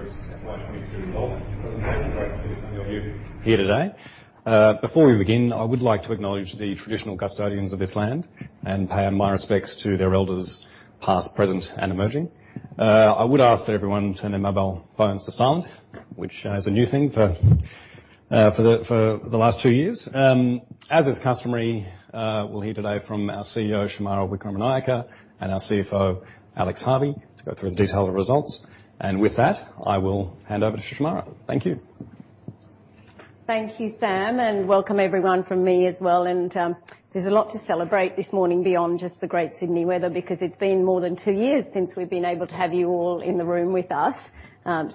Good morning, everyone, and welcome to Macquarie Group's FY 2022 results presentation. Great to see some of you here today. Before we begin, I would like to acknowledge the traditional custodians of this land and pay my respects to their Elders, past, present, and emerging. I would ask that everyone turn their mobile phones to silent, which is a new thing for the last two years. As is customary, we'll hear today from our CEO, Shemara Wikramanayake, and our CFO, Alex Harvey, to go through the detailed results. With that, I will hand over to Shemara. Thank you. Thank you, Sam, and welcome everyone from me as well. There's a lot to celebrate this morning beyond just the great Sydney weather, because it's been more than two years since we've been able to have you all in the room with us.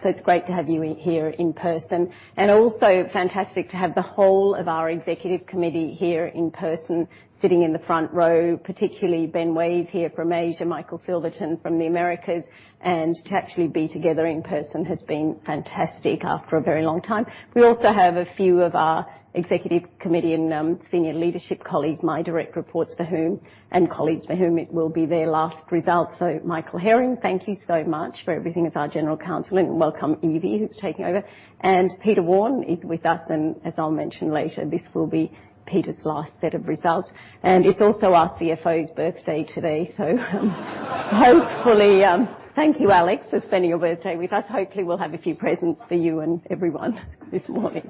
It's great to have you here in person. Also fantastic to have the whole of our executive committee here in person, sitting in the front row, particularly Ben Way here from Asia, Michael Silverton from the Americas. To actually be together in person has been fantastic after a very long time. We also have a few of our executive committee and senior leadership colleagues, my direct reports and senior leadership colleagues for whom it will be their last result. Michael Herring, thank you so much for everything as our General Counsel, and welcome, Evie, who's taking over. Peter Warne is with us, and as I'll mention later, this will be Peter's last set of results. It's also our CFO's birthday today. Hopefully, thank you, Alex, for spending your birthday with us. Hopefully, we'll have a few presents for you and everyone this morning.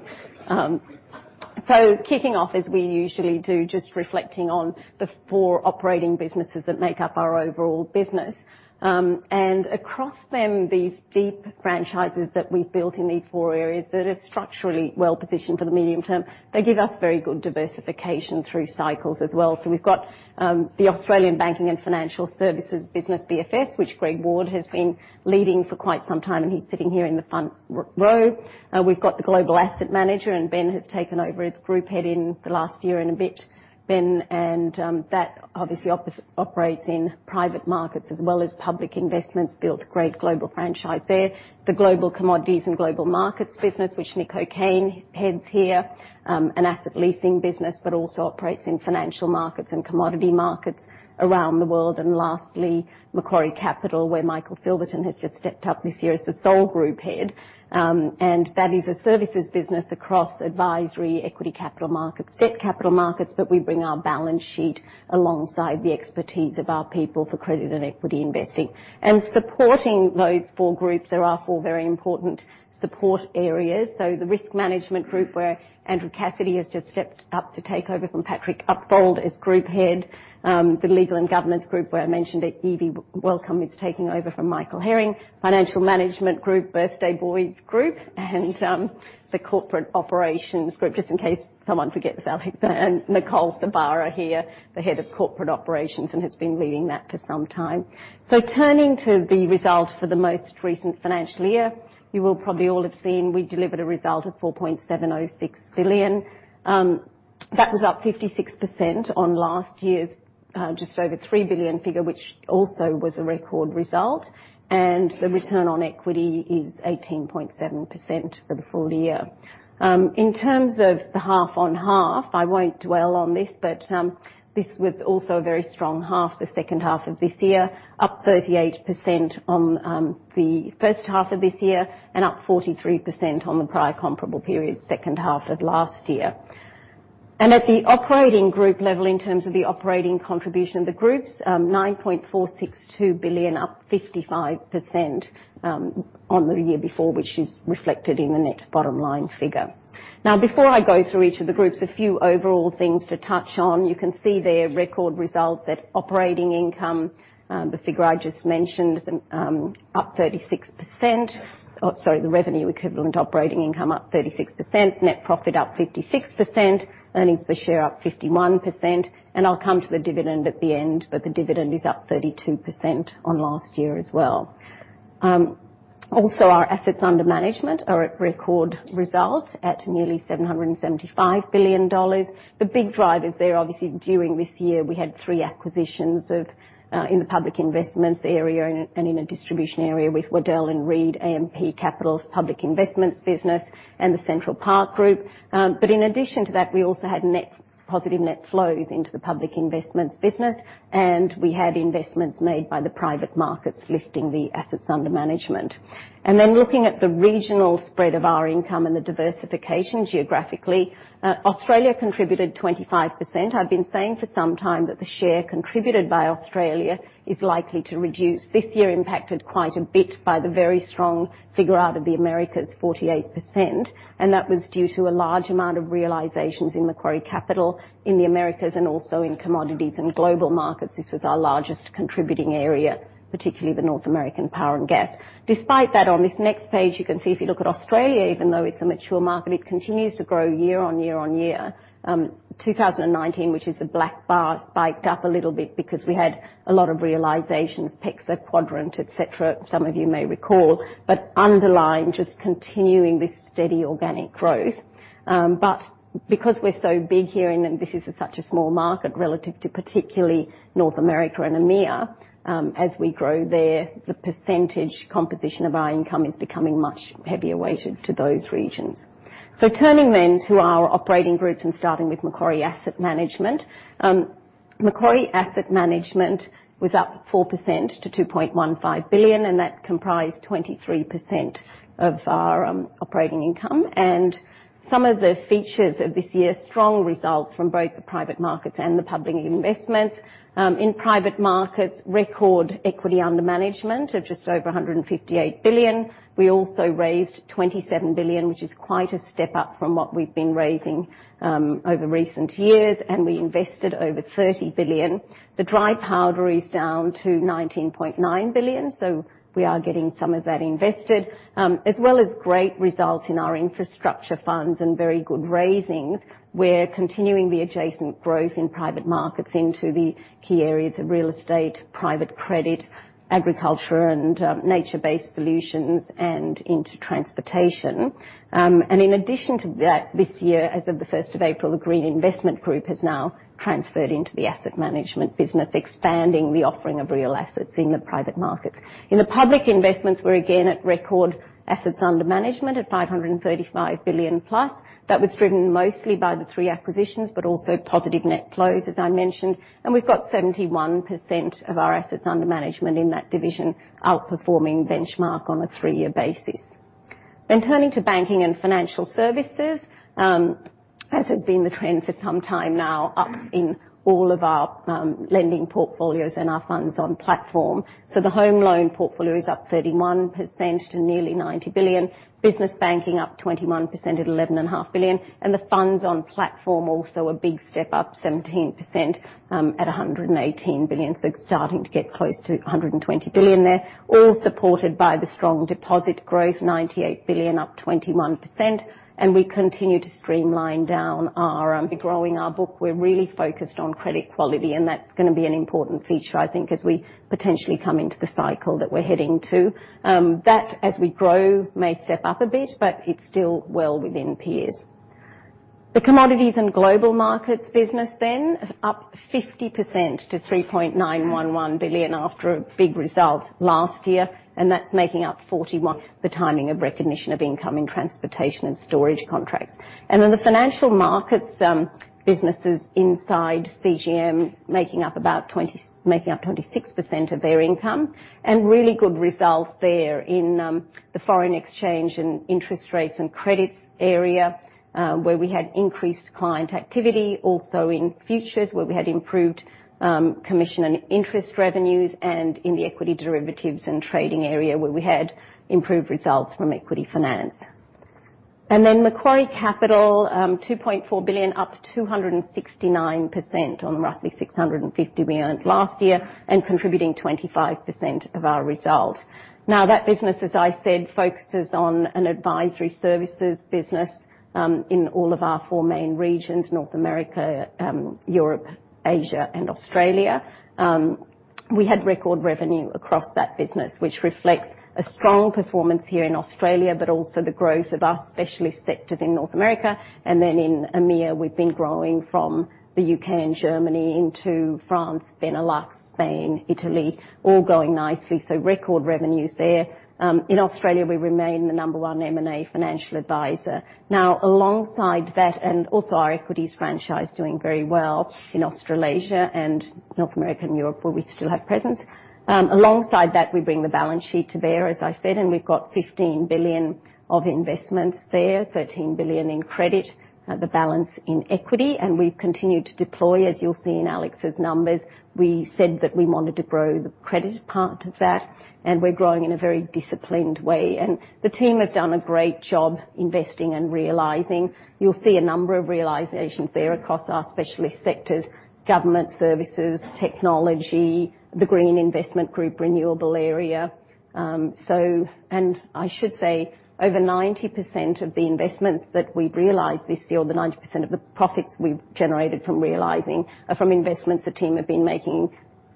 Kicking off as we usually do, just reflecting on the four operating businesses that make up our overall business. Across them, these deep franchises that we've built in these four areas that are structurally well-positioned for the medium term, they give us very good diversification through cycles as well. We've got the Australian banking and financial services business, BFS, which Greg Ward has been leading for quite some time, and he's sitting here in the front row. We've got the global asset manager, and Ben has taken over as group head in the last year and a bit. Ben and that obviously operates in private markets as well as public investments, built great global franchise there. The global commodities and global markets business, which Nick O'Kane heads here, an asset leasing business, but also operates in financial markets and commodity markets around the world. Lastly, Macquarie Capital, where Michael Silverton has just stepped up this year as the sole group head. That is a services business across advisory, equity capital markets, debt capital markets, but we bring our balance sheet alongside the expertise of our people for credit and equity investing. Supporting those four groups, there are four very important support areas. The risk management group, where Andrew Cassidy has just stepped up to take over from Patrick Upfold as group head. The legal and governance group, where I mentioned Evie Bruce is taking over from Michael Herring. Financial Management Group, Banking and Financial Services Group, and the corporate operations group, just in case someone forgets Alex. Nicole Sorbara here, the head of corporate operations, and has been leading that for some time. Turning to the results for the most recent financial year, you will probably all have seen we delivered a result of 4.706 billion. That was up 56% on last year's just over 3 billion figure, which also was a record result. The return on equity is 18.7% for the full year. In terms of the half on half, I won't dwell on this, but, this was also a very strong half, the second half of this year, up 38% on, the first half of this year and up 43% on the prior comparable period, second half of last year. At the operating group level, in terms of the operating contribution of the groups, 9.462 billion, up 55%, on the year before, which is reflected in the net bottom line figure. Now, before I go through each of the groups, a few overall things to touch on. You can see their record results at operating income, the figure I just mentioned, up 36%. The revenue equivalent operating income up 36%, net profit up 56%, earnings per share up 51%. I'll come to the dividend at the end, but the dividend is up 32% on last year as well. Also our assets under management are at record results at nearly $775 billion. The big drivers there, obviously, during this year, we had three acquisitions in the public investments area and in a distribution area with Waddell & Reed, AMP Capital's public investments business, and the Central Park Group. But in addition to that, we also had positive net flows into the public investments business, and we had investments made by the private markets lifting the assets under management. Then looking at the regional spread of our income and the diversification geographically, Australia contributed 25%. I've been saying for some time that the share contributed by Australia is likely to reduce. This year impacted quite a bit by the very strong figure out of the Americas, 48%, and that was due to a large amount of realizations in Macquarie Capital in the Americas and also in Commodities and Global Markets. This was our largest contributing area, particularly the North American power and gas. Despite that, on this next page, you can see if you look at Australia, even though it's a mature market, it continues to grow year on year on year. 2019, which is the black bar, spiked up a little bit because we had a lot of realizations, PEXA, Quadrant, et cetera. Some of you may recall. Underlying, just continuing this steady organic growth. Because we're so big here and then this is such a small market relative to particularly North America and EMEA, as we grow there, the percentage composition of our income is becoming much heavier weighted to those regions. Turning then to our operating groups and starting with Macquarie Asset Management, Macquarie Asset Management was up 4% to 2.15 billion, and that comprised 23% of our operating income. Some of the features of this year, strong results from both the private markets and the public investments. In private markets, record equity under management of just over 158 billion. We also raised 27 billion, which is quite a step up from what we've been raising over recent years, and we invested over 30 billion. The dry powder is down to 19.9 billion, so we are getting some of that invested. As well as great results in our infrastructure funds and very good raisings. We're continuing the adjacent growth in private markets into the key areas of real estate, private credit, agriculture and nature-based solutions and into transportation. In addition to that, this year, as of of April 1st, the Green Investment Group has now transferred into the asset management business, expanding the offering of real assets in the private markets. In the Public Investments, we're again at record assets under management at 535 billion plus. That was driven mostly by the three acquisitions, but also positive net flows, as I mentioned. We've got 71% of our assets under management in that division outperforming benchmark on a three-year basis. Turning to Banking and Financial Services, as has been the trend for some time now, up in all of our lending portfolios and our funds on platform. The home loan portfolio is up 31% to nearly 90 billion. Business banking up 21% at 11.5 billion. The funds on platform also a big step up 17% at 118 billion. It's starting to get close to 120 billion there. All supported by the strong deposit growth, 98 billion up 21%. We continue to grow our book. We're really focused on credit quality, and that's gonna be an important feature, I think, as we potentially come into the cycle that we're heading to. That as we grow may step up a bit, but it's still well within peers. The Commodities and Global Markets business then up 50% to 3.911 billion after a big result last year, and that's making up 41%. The timing of recognition of income in transportation and storage contracts. The Financial Markets businesses inside CGM making up about 26% of their income. Really good results there in the foreign exchange and interest rates and credits area, where we had increased client activity. Also in futures, where we had improved commission and interest revenues, and in the equity derivatives and trading area, where we had improved results from equity finance. Macquarie Capital, 2.4 billion up 269% on roughly 650 million we earned last year and contributing 25% of our result. Now that business, as I said, focuses on an advisory services business in all of our four main regions, North America, Europe, Asia, and Australia. We had record revenue across that business, which reflects a strong performance here in Australia, but also the growth of our specialist sectors in North America. In EMEA, we've been growing from the U.K. and Germany into France, Benelux, Spain, Italy, all growing nicely. Record revenues there. In Australia, we remain the number one M&A financial advisor. Now, alongside that, and also our equities franchise doing very well in Australasia and North America and Europe, where we still have presence. Alongside that, we bring the balance sheet to bear, as I said, and we've got 15 billion of investments there, 13 billion in credit, the balance in equity, and we've continued to deploy, as you'll see in Alex's numbers. We said that we wanted to grow the credit part of that, and we're growing in a very disciplined way. The team have done a great job investing and realizing. You'll see a number of realizations there across our specialist sectors, government services, technology, the Green Investment Group, renewable area. I should say, over 90% of the investments that we've realized this year, or 90% of the profits we've generated from realizing are from investments the team have been making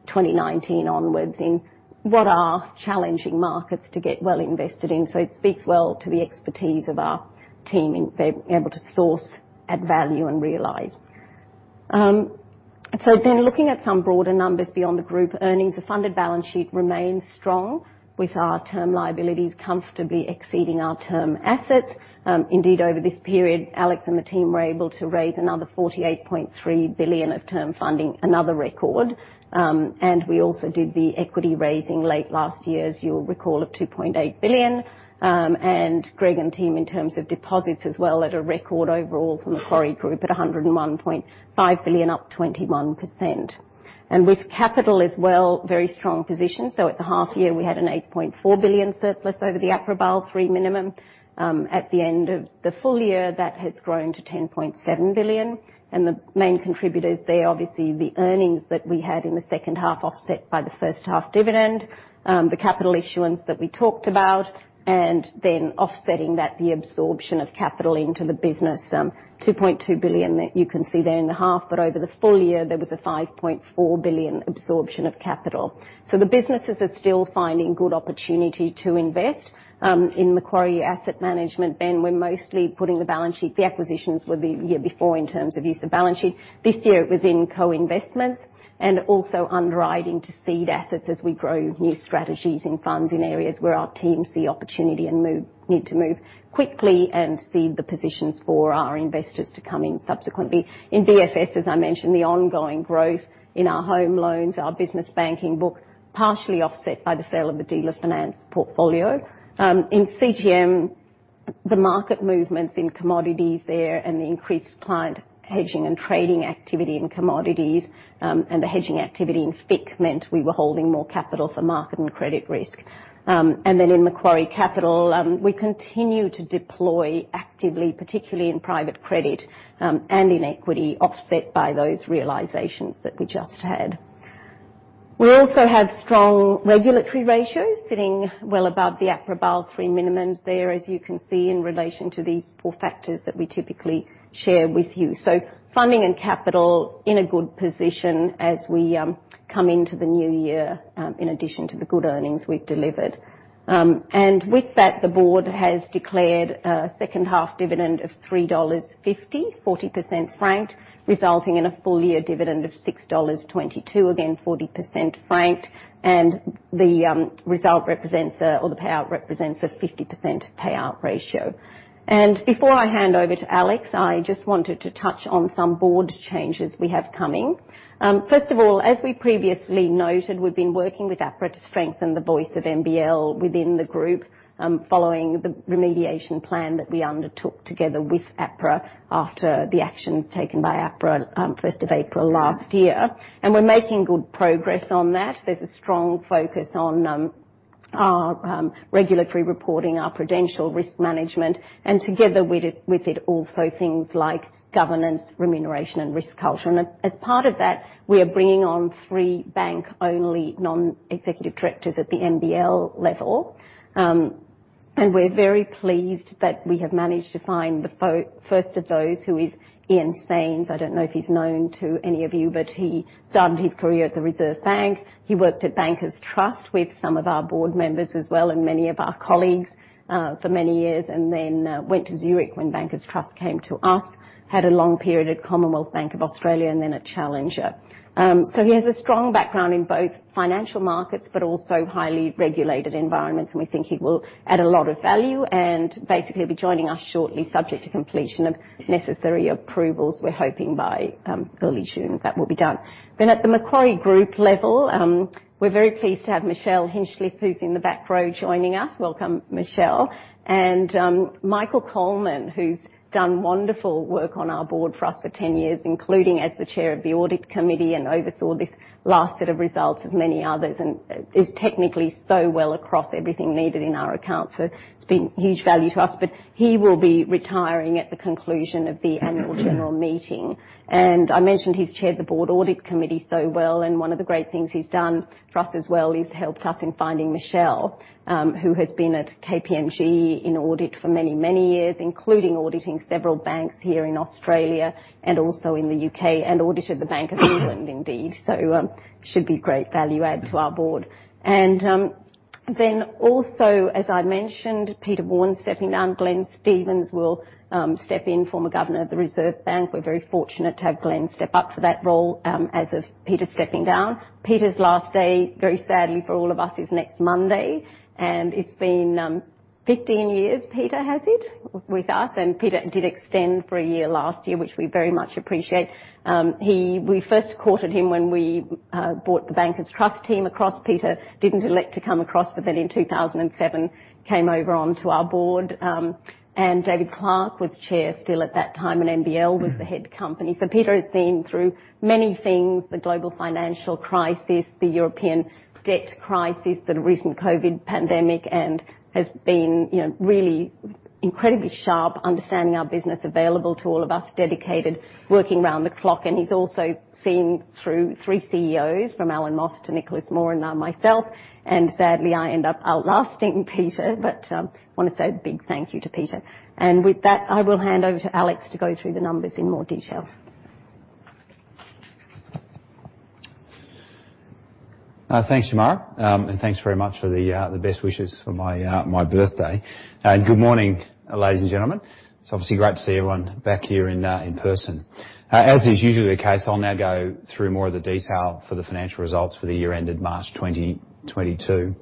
2019 onwards in what are challenging markets to get well invested in. It speaks well to the expertise of our team in being able to source at value and realize. Looking at some broader numbers beyond the group earnings. The funded balance sheet remains strong with our term liabilities comfortably exceeding our term assets. Indeed, over this period, Alex and the team were able to raise another 48.3 billion of term funding, another record. We also did the equity raising late last year, as you'll recall, of 2.8 billion. Greg and team in terms of deposits as well at a record overall for Macquarie Group at 101.5 billion up 21%. With capital as well, very strong position. At the half year, we had an 8.4 billion surplus over the APRA Basel III minimum. At the end of the full year, that has grown to 10.7 billion. The main contributors there, obviously, the earnings that we had in the second half offset by the first half dividend, the capital issuance that we talked about, and then offsetting that, the absorption of capital into the business, 2.2 billion that you can see there in the half. Over the full year, there was a 5.4 billion absorption of capital. The businesses are still finding good opportunity to invest in Macquarie Asset Management. We're mostly putting the balance sheet. The acquisitions were the year before in terms of use of balance sheet. This year it was in co-investments and also underwriting to seed assets as we grow new strategies in funds in areas where our teams see opportunity and need to move quickly and seed the positions for our investors to come in subsequently. In BFS, as I mentioned, the ongoing growth in our home loans, our business banking book, partially offset by the sale of the dealer finance portfolio. In CGM, the market movements in commodities there and the increased client hedging and trading activity in commodities, and the hedging activity in FICC meant we were holding more capital for market and credit risk. In Macquarie Capital, we continue to deploy actively, particularly in private credit, and in equity offset by those realizations that we just had. We also have strong regulatory ratios sitting well above the APRA Basel III minimums there, as you can see, in relation to these four factors that we typically share with you. Funding and capital in a good position as we come into the new year, in addition to the good earnings we've delivered. With that, the board has declared a second half dividend of 3.50 dollars, 40% franked, resulting in a full year dividend of 6.22 dollars, again, 40% franked, and the result represents a, or the payout represents a 50% payout ratio. Before I hand over to Alex, I just wanted to touch on some board changes we have coming. First of all, as we previously noted, we've been working with APRA to strengthen the voice of MBL within the group, following the remediation plan that we undertook together with APRA after the actions taken by APRA, first of April last year. We're making good progress on that. There's a strong focus on our regulatory reporting, our prudential risk management, and together with it also things like governance, remuneration, and risk culture. As part of that, we are bringing on three bank-only non-executive directors at the MBL level. We're very pleased that we have managed to find the first of those who is Ian Saines. I don't know if he's known to any of you, but he started his career at the Reserve Bank. He worked at Bankers Trust with some of our board members as well and many of our colleagues, for many years, and then went to Zurich when Bankers Trust came to us, had a long period at Commonwealth Bank of Australia and then at Challenger. He has a strong background in both financial markets, but also highly regulated environments, and we think he will add a lot of value and basically be joining us shortly, subject to completion of necessary approvals. We're hoping by early June that will be done. At the Macquarie Group level, we're very pleased to have Michelle Hinchliffe, who's in the back row, joining us. Welcome, Michelle. Michael Coleman, who's done wonderful work on our board for us for 10 years, including as the chair of the audit committee and oversaw this last set of results as many others, and is technically so well across everything needed in our accounts. It's been huge value to us. He will be retiring at the conclusion of the annual general meeting. I mentioned he's chaired the board audit committee so well, and one of the great things he's done for us as well is helped us in finding Michelle, who has been at KPMG in audit for many, many years, including auditing several banks here in Australia and also in the U.K. and audited the Bank of England indeed. Should be great value add to our board. Also, as I mentioned, Peter Warne stepping down. Glenn Stevens will step in, former governor of the Reserve Bank. We're very fortunate to have Glenn step up for that role, as of Peter stepping down. Peter's last day, very sadly for all of us, is next Monday, and it's been 15 years Peter has been with us, and Peter did extend for a year last year, which we very much appreciate. We first courted him when we bought the Bankers Trust team across. Peter didn't elect to come across, but then in 2007 came over onto our board. David Clarke was Chair still at that time, and MBL was the head company. Peter has seen through many things, the global financial crisis, the European debt crisis, the recent COVID pandemic, and has been, you know, really incredibly sharp, understanding our business available to all of us, dedicated, working around the clock. He's also seen through three CEOs, from Allan Moss to Nicholas Moore and now myself. Sadly, I end up outlasting Peter, but wanna say a big thank you to Peter. With that, I will hand over to Alex to go through the numbers in more detail. Thanks, Shemara. Thanks very much for the best wishes for my birthday. Good morning, ladies and gentlemen. It's obviously great to see everyone back here in person. As is usually the case, I'll now go through more of the detail for the financial results for the year ended March 2022.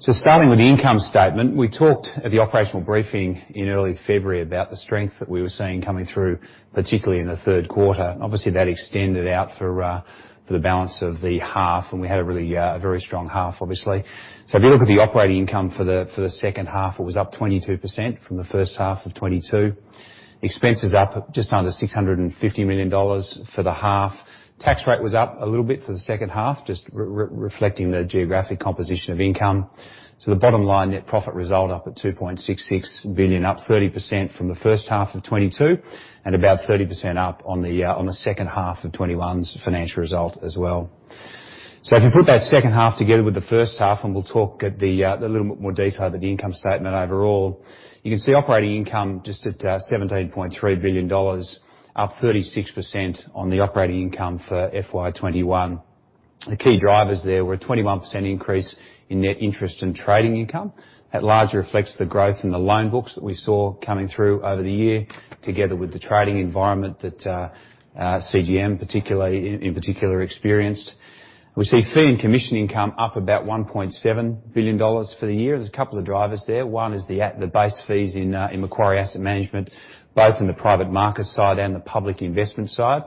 Starting with the income statement, we talked at the operational briefing in early February about the strength that we were seeing coming through, particularly in the third quarter. Obviously, that extended out for the balance of the half, and we had a really a very strong half, obviously. If you look at the operating income for the second half, it was up 22% from the first half of 2022. Expenses up just under 650 million dollars for the half. Tax rate was up a little bit for the second half, just reflecting the geographic composition of income. The bottom line net profit result up at 2.66 billion, up 30% from the first half of 2022, and about 30% up on the second half of 2021's financial result as well. If you put that second half together with the first half, and we'll talk a little bit more in detail about the income statement overall, you can see operating income just at 17.3 billion dollars, up 36% on the operating income for FY 2021. The key drivers there were a 21% increase in net interest and trading income. That largely reflects the growth in the loan books that we saw coming through over the year, together with the trading environment that CGM, particularly, in particular experienced. We see fee and commission income up about 1.7 billion dollars for the year. There's a couple of drivers there. One is the base fees in Macquarie Asset Management, both in the private market side and the public investment side.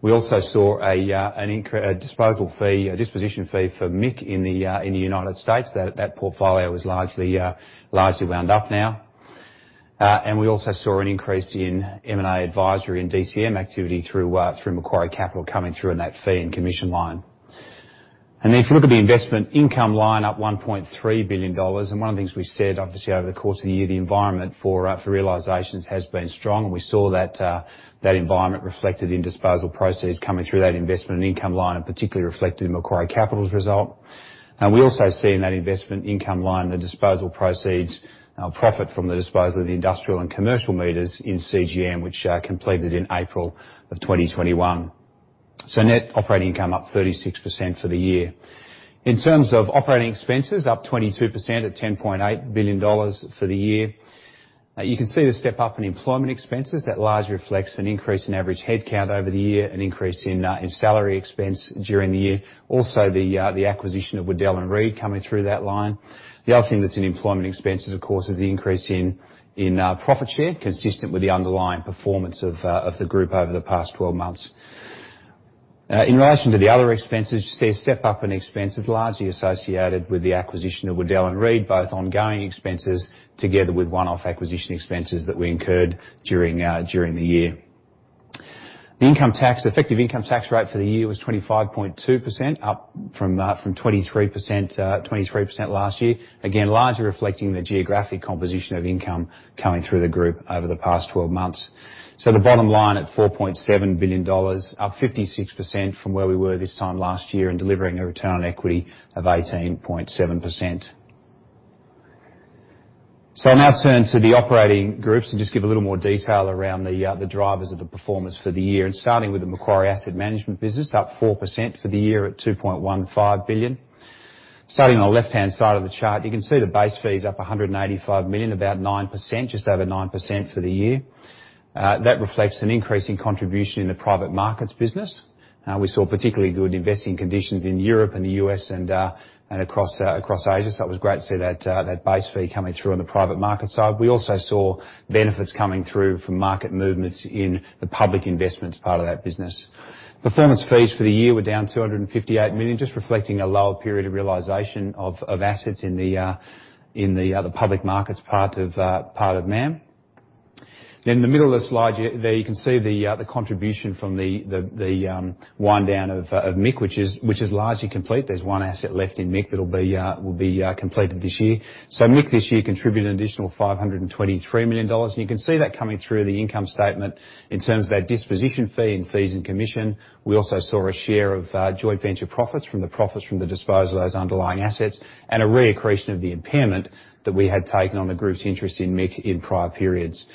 We also saw a disposal fee, a disposition fee for MIC in the United States. That portfolio is largely wound up now. We also saw an increase in M&A advisory and DCM activity through Macquarie Capital coming through in that fee and commission line. If you look at the investment income line, up 1.3 billion dollars, and one of the things we said, obviously, over the course of the year, the environment for realizations has been strong. We saw that environment reflected in disposal proceeds coming through that investment income line, and particularly reflected in Macquarie Capital's result. We also see in that investment income line the disposal proceeds and profit from the disposal of the industrial and commercial meters in CGM, which completed in April 2021. Net operating income up 36% for the year. In terms of operating expenses, up 22% at 10.8 billion dollars for the year. You can see the step up in employment expenses. That largely reflects an increase in average headcount over the year, an increase in salary expense during the year. Also, the acquisition of Waddell & Reed coming through that line. The other thing that's in employment expenses, of course, is the increase in profit share, consistent with the underlying performance of the group over the past twelve months. In relation to the other expenses, you see a step up in expenses largely associated with the acquisition of Waddell & Reed, both ongoing expenses together with one-off acquisition expenses that we incurred during the year. The effective income tax rate for the year was 25.2%, up from 23% last year. Again, largely reflecting the geographic composition of income coming through the group over the past twelve months. The bottom line at 4.7 billion dollars, up 56% from where we were this time last year, and delivering a return on equity of 18.7%. I'll now turn to the operating groups and just give a little more detail around the drivers of the performance for the year. Starting with the Macquarie Asset Management business, up 4% for the year at 2.15 billion. Starting on the left-hand side of the chart, you can see the base fee is up 185 million, about 9%, just over 9% for the year. That reflects an increase in contribution in the private markets business. We saw particularly good investing conditions in Europe and the US and across Asia. It was great to see that base fee coming through on the private markets side. We also saw benefits coming through from market movements in the public investments part of that business. Performance fees for the year were down 258 million, just reflecting a lower period of realization of assets in the public markets part of MAM. In the middle of the slide there, you can see the contribution from the wind down of MIC, which is largely complete. There's one asset left in MIC that'll be completed this year. MIC this year contributed an additional $523 million, and you can see that coming through the income statement in terms of that disposition fee and fees and commission. We also saw a share of joint venture profits from the disposal of those underlying assets, and a reaccretion of the impairment that we had taken on the group's interest in MIC in prior periods.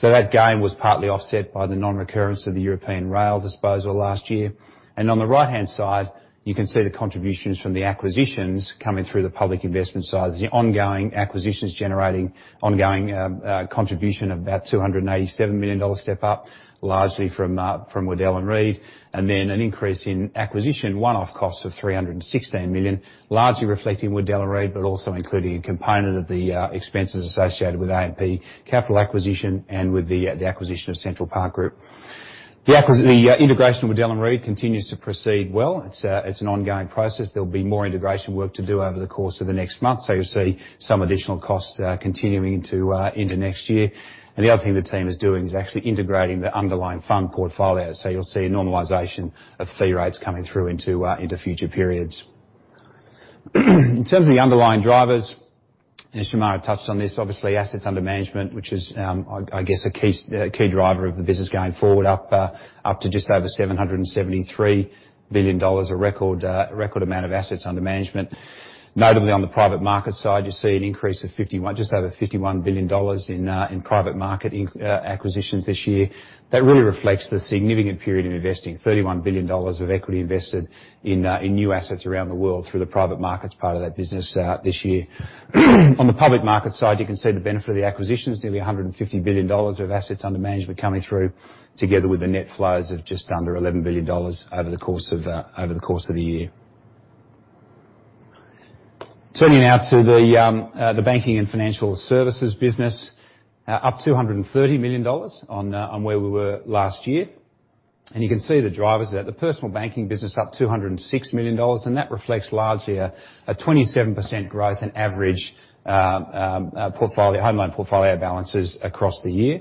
That gain was partly offset by the non-recurrence of the European rail disposal last year. On the right-hand side, you can see the contributions from the acquisitions coming through the public investment side. The ongoing acquisitions generating ongoing contribution of about $287 million step up, largely from Waddell & Reed. An increase in acquisition one-off costs of 316 million, largely reflecting Waddell & Reed, but also including a component of the expenses associated with AMP Capital acquisition and with the acquisition of Central Park Group. Integration of Waddell & Reed continues to proceed well. It's an ongoing process. There'll be more integration work to do over the course of the next month. You'll see some additional costs continuing into next year. The other thing the team is doing is actually integrating the underlying fund portfolio. You'll see a normalization of fee rates coming through into future periods. In terms of the underlying drivers, Shemara touched on this, obviously, assets under management, which is, I guess a key driver of the business going forward up to just over 773 billion dollars, a record amount of assets under management. Notably, on the private market side, you see an increase of just over 51 billion dollars in private market acquisitions this year. That really reflects the significant period in investing. 31 billion dollars of equity invested in new assets around the world through the private markets part of that business this year. On the public market side, you can see the benefit of the acquisitions, nearly 150 billion dollars of assets under management coming through, together with the net flows of just under 11 billion dollars over the course of the year. Turning now to the Banking and Financial Services business. Up 230 million dollars on where we were last year. You can see the drivers there. The personal banking business up 206 million dollars, and that reflects largely a 27% growth in average portfolio, home loan portfolio balances across the year.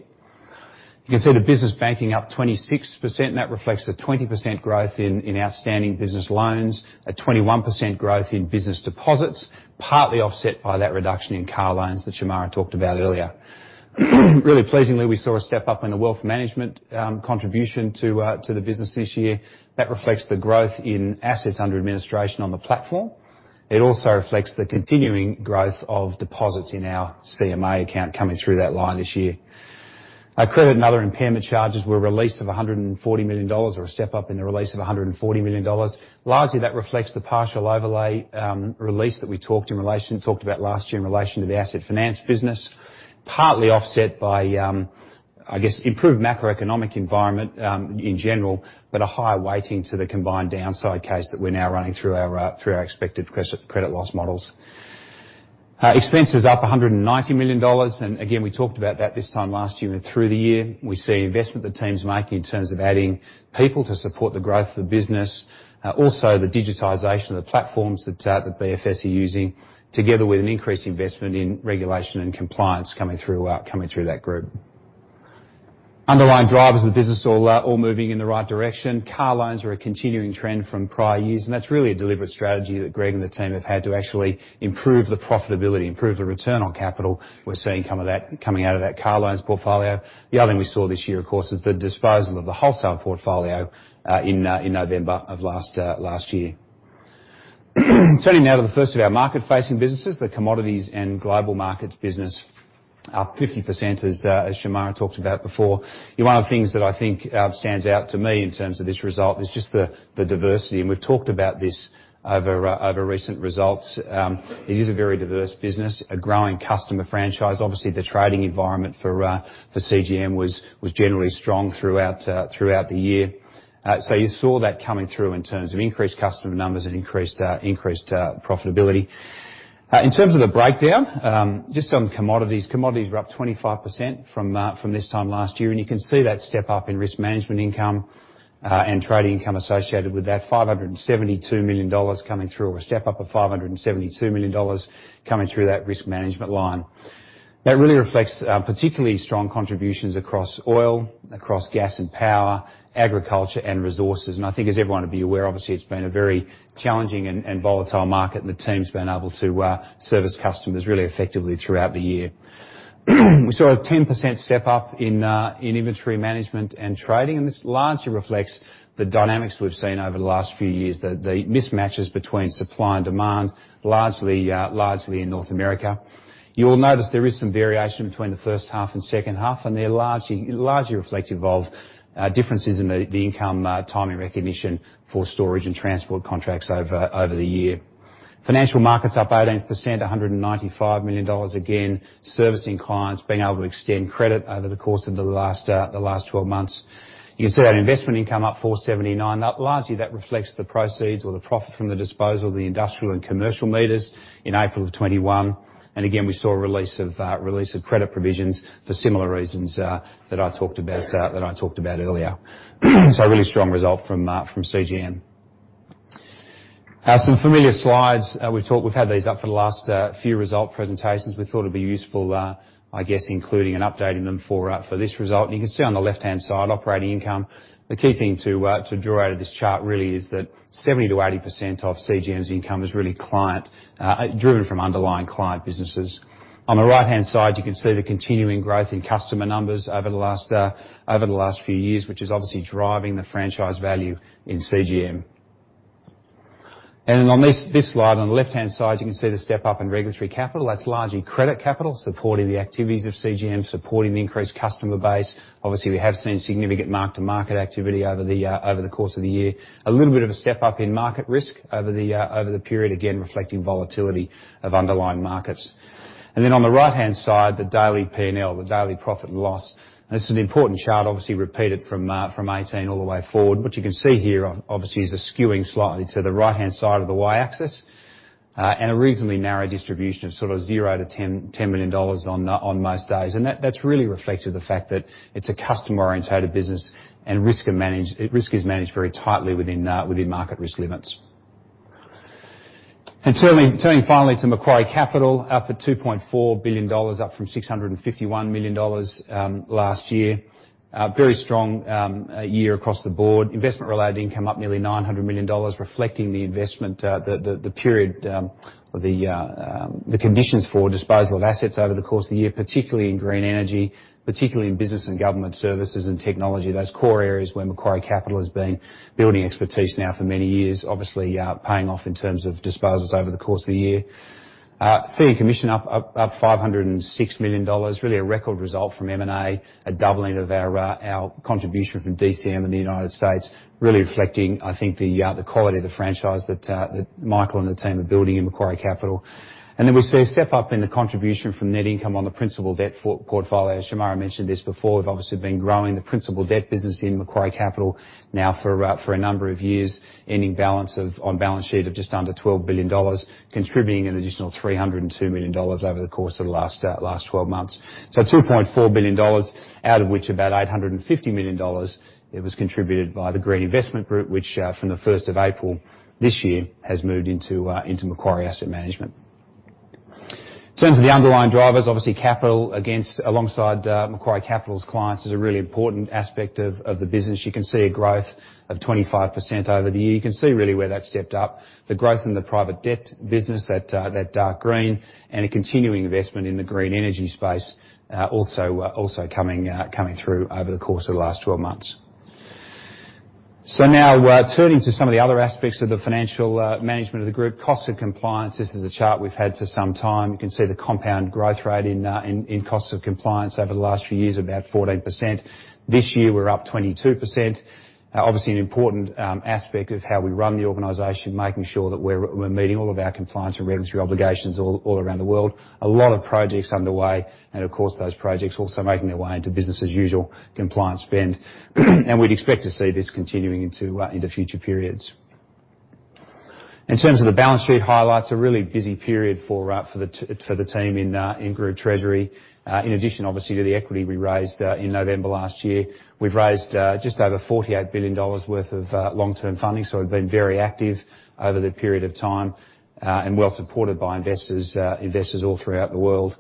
You can see the business banking up 26%, and that reflects the 20% growth in outstanding business loans, a 21% growth in business deposits, partly offset by that reduction in car loans that Shemara talked about earlier. Really pleasingly, we saw a step up in the wealth management contribution to the business this year. That reflects the growth in assets under administration on the platform. It also reflects the continuing growth of deposits in our CMA account coming through that line this year. Our credit and other impairment charges were a release of 140 million dollars, or a step up in the release of 140 million dollars. Largely, that reflects the partial overlay release that we talked about last year in relation to the asset finance business. Partly offset by, I guess, improved macroeconomic environment, in general, but a higher weighting to the combined downside case that we're now running through our expected credit loss models. Expense is up 190 million dollars. Again, we talked about that this time last year and through the year. We see investment the team's making in terms of adding people to support the growth of the business. Also the digitization of the platforms that the BFS are using, together with an increased investment in regulation and compliance coming through that group. Underlying drivers of the business all moving in the right direction. Car loans are a continuing trend from prior years, and that's really a deliberate strategy that Greg and the team have had to actually improve the profitability, improve the return on capital. We're seeing some of that coming out of that car loans portfolio. The other thing we saw this year, of course, is the disposal of the wholesale portfolio in November of last year. Turning now to the first of our market-facing businesses, the Commodities and Global Markets business are 50%, as Shemara talked about before. One of the things that I think stands out to me in terms of this result is just the diversity, and we've talked about this over recent results. It is a very diverse business, a growing customer franchise. Obviously, the trading environment for CGM was generally strong throughout the year. So you saw that coming through in terms of increased customer numbers and increased profitability. In terms of the breakdown, just on commodities. Commodities were up 25% from this time last year, and you can see that step up in risk management income and trading income associated with that AUD 572 million coming through, or a step up of AUD 572 million coming through that risk management line. That really reflects particularly strong contributions across oil, across gas and power, agriculture, and resources. I think as everyone would be aware, obviously, it's been a very challenging and volatile market, and the team's been able to service customers really effectively throughout the year. We saw a 10% step up in inventory management and trading, and this largely reflects the dynamics we've seen over the last few years. The mismatches between supply and demand, largely in North America. You will notice there is some variation between the first half and second half, and they're largely reflective of differences in the income timing recognition for storage and transport contracts over the year. Financial markets up 18%, 195 million dollars. Again, servicing clients, being able to extend credit over the course of the last twelve months. You can see that investment income up 479 million. Largely, that reflects the proceeds or the profit from the disposal of the industrial and commercial meters in April 2021. We saw a release of credit provisions for similar reasons that I talked about earlier. A really strong result from CGM. Some familiar slides. We've had these up for the last few results presentations. We thought it'd be useful, I guess, including and updating them for this result. You can see on the left-hand side, operating income. The key thing to draw out of this chart really is that 70%-80% of CGM's income is really client driven from underlying client businesses. On the right-hand side, you can see the continuing growth in customer numbers over the last few years, which is obviously driving the franchise value in CGM. On this slide, on the left-hand side, you can see the step up in regulatory capital. That's largely credit capital supporting the activities of CGM, supporting the increased customer base. Obviously, we have seen significant mark-to-market activity over the course of the year. A little bit of a step up in market risk over the period, again, reflecting volatility of underlying markets. Then on the right-hand side, the daily P&L, the daily profit and loss. This is an important chart, obviously repeated from 2018 all the way forward. What you can see here, obviously, is a skewing slightly to the right-hand side of the Y-axis, and a reasonably narrow distribution of sort of 0-10 million dollars on most days. That's really reflective of the fact that it's a customer-oriented business and risk is managed very tightly within market risk limits. Turning finally to Macquarie Capital, up at 2.4 billion dollars, up from 651 million dollars last year. A very strong year across the board. Investment-related income up nearly 900 million dollars, reflecting the conditions for disposal of assets over the course of the year, particularly in green energy, particularly in business and government services and technology. Those core areas where Macquarie Capital has been building expertise now for many years, obviously paying off in terms of disposals over the course of the year. Fee and commission up 506 million dollars, really a record result from M&A, a doubling of our contribution from DCM in the United States, really reflecting, I think, the quality of the franchise that Michael and the team are building in Macquarie Capital. Then we see a step up in the contribution from net income on the principal debt portfolio. Shemara mentioned this before. We've obviously been growing the principal debt business in Macquarie Capital now for a number of years, ending balance on balance sheet of just under 12 billion dollars, contributing an additional 302 million dollars over the course of the last twelve months. 2.4 billion dollars, out of which about 850 million dollars, it was contributed by the Green Investment Group, which from April 1st this year has moved into Macquarie Asset Management. In terms of the underlying drivers, obviously, capital alongside Macquarie Capital's clients is a really important aspect of the business. You can see a growth of 25% over the year. You can see really where that stepped up. The growth in the private debt business, that dark green, and a continuing investment in the green energy space, also coming through over the course of the last twelve months. Now, turning to some of the other aspects of the financial management of the group. Cost of compliance. This is a chart we've had for some time. You can see the compound growth rate in cost of compliance over the last few years, about 14%. This year, we're up 22%. Obviously an important aspect of how we run the organization, making sure that we're meeting all of our compliance and regulatory obligations all around the world. A lot of projects underway, and of course, those projects also making their way into business as usual compliance spend. We'd expect to see this continuing into future periods. In terms of the balance sheet highlights, a really busy period for the team in group treasury. In addition obviously to the equity we raised in November last year. We've raised just over 48 billion dollars worth of long-term funding, so we've been very active over the period of time, and well supported by investors all throughout the world.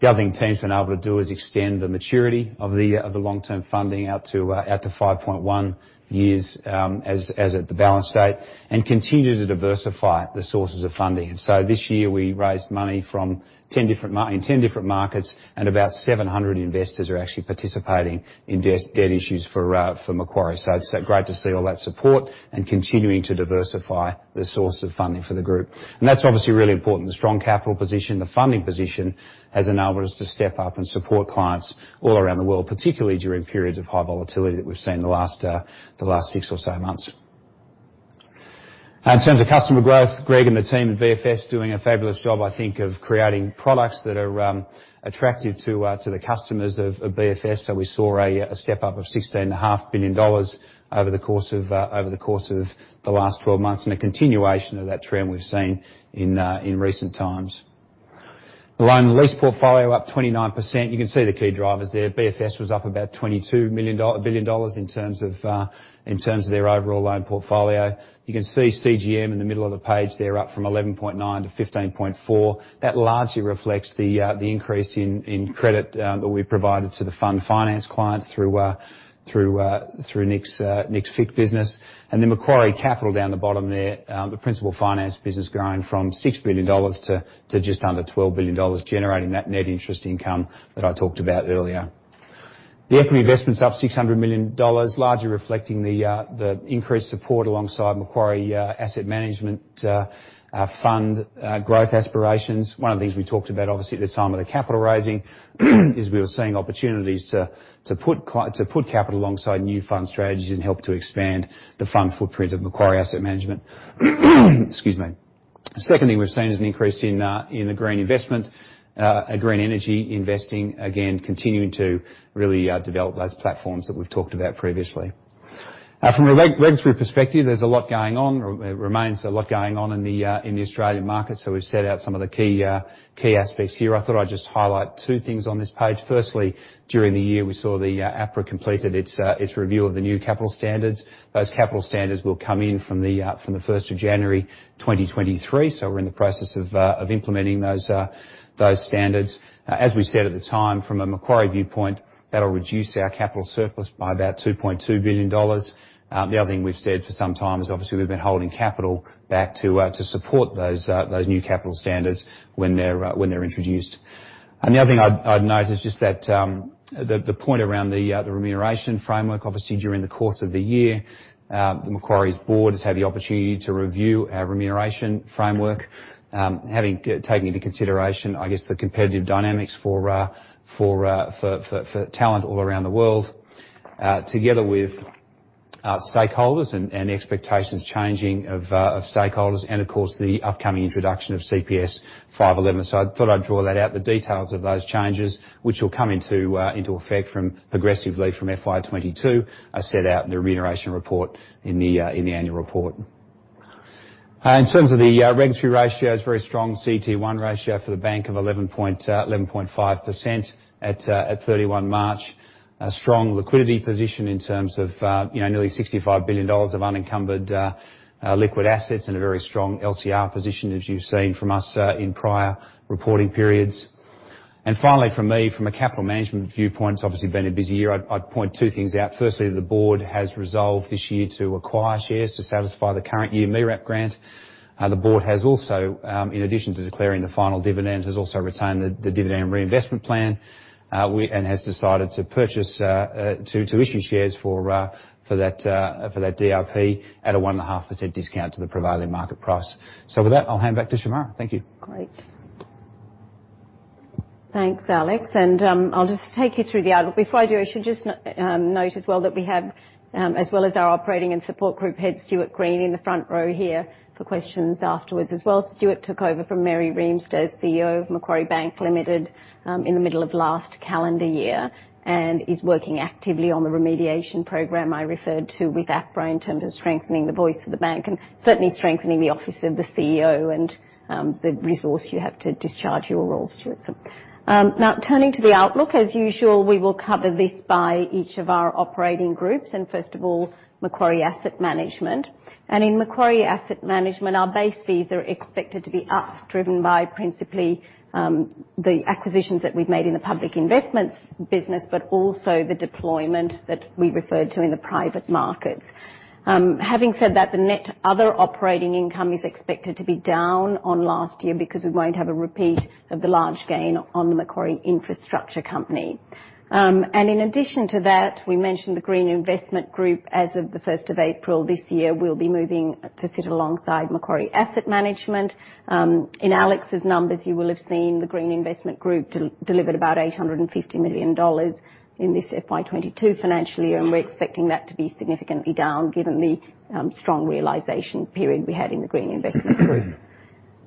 The other thing the team's been able to do is extend the maturity of the long-term funding out to 5.1 years, as at the balance date, and continue to diversify the sources of funding. This year we raised money from 10 different markets, and about 700 investors are actually participating in debt issues for Macquarie. It's great to see all that support and continuing to diversify the source of funding for the group. That's obviously really important. The strong capital position, the funding position, has enabled us to step up and support clients all around the world, particularly during periods of high volatility that we've seen in the last six or so months. In terms of customer growth, Greg and the team at BFS doing a fabulous job, I think, of creating products that are attractive to the customers of BFS. We saw a step up of 16.5 billion dollars over the course of the last 12 months, and a continuation of that trend we've seen in recent times. The loan and lease portfolio up 29%. You can see the key drivers there. BFS was up about 22 billion dollars in terms of their overall loan portfolio. You can see CGM in the middle of the page there, up from 11.9 billion to 15.4 billion. That largely reflects the increase in credit that we provided to the fund finance clients through Nick's FICC business. Macquarie Capital down the bottom there, the principal finance business growing from 6 billion dollars to just under 12 billion dollars, generating that net interest income that I talked about earlier. The equity investment's up 600 million dollars, largely reflecting the increased support alongside Macquarie Asset Management fund growth aspirations. One of the things we talked about, obviously, at the time of the capital raising, is we were seeing opportunities to put capital alongside new fund strategies and help to expand the fund footprint of Macquarie Asset Management. Excuse me. The second thing we've seen is an increase in the green investment. Green energy investing, again, continuing to really develop those platforms that we've talked about previously. From a regulatory perspective, there's a lot going on. There's a lot going on in the Australian market, so we've set out some of the key aspects here. I thought I'd just highlight two things on this page. Firstly, during the year, we saw APRA completed its review of the new capital standards. Those capital standards will come in from the January 1st,2023, so we're in the process of implementing those standards. As we said at the time, from a Macquarie viewpoint, that'll reduce our capital surplus by about 2.2 billion dollars. The other thing we've said for some time is obviously we've been holding capital back to support those new capital standards when they're introduced. The other thing I'd note is just that, the point around the remuneration framework. Obviously, during the course of the year, Macquarie's board has had the opportunity to review our remuneration framework, having taken into consideration, I guess, the competitive dynamics for talent all around the world, together with stakeholders and expectations changing of stakeholders and of course the upcoming introduction of CPS 511. I thought I'd draw that out, the details of those changes, which will come into effect from progressively from FY 2022, are set out in the remuneration report in the annual report. In terms of the regulatory ratios, very strong CET1 ratio for the bank of 11.5% at March 31. A strong liquidity position in terms of, you know, nearly 65 billion dollars of unencumbered liquid assets and a very strong LCR position, as you've seen from us, in prior reporting periods. Finally from me, from a capital management viewpoint, it's obviously been a busy year. I'd point two things out. Firstly, the board has resolved this year to acquire shares to satisfy the current year MEREP grant. The board has also, in addition to declaring the final dividend, has also retained the dividend reinvestment plan, and has decided to issue shares for that DRP at a 1.5% discount to the prevailing market price. With that, I'll hand back to Shemara. Thank you. Great. Thanks, Alex. I'll just take you through. Before I do, I should just note as well that we have, as well as our operating and support group head, Stuart Green, in the front row here for questions afterwards as well. Stuart took over from Mary Reemst, CEO of Macquarie Bank Limited, in the middle of last calendar year, and is working actively on the remediation program I referred to with APRA in terms of strengthening the voice of the bank, and certainly strengthening the office of the CEO and the resource you have to discharge your role, Stuart. Now turning to the outlook, as usual, we will cover this by each of our operating groups, and first of all, Macquarie Asset Management. In Macquarie Asset Management, our base fees are expected to be up, driven by principally, the acquisitions that we've made in the public investments business, but also the deployment that we referred to in the private markets. Having said that, the net other operating income is expected to be down on last year because we won't have a repeat of the large gain on the Macquarie Infrastructure Corporation. In addition to that, we mentioned the Green Investment Group as of April 1st this year will be moving to sit alongside Macquarie Asset Management. In Alex's numbers, you will have seen the Green Investment Group delivered about 850 million dollars in this FY 2022 financial year, and we're expecting that to be significantly down given the strong realization period we had in the Green Investment Group.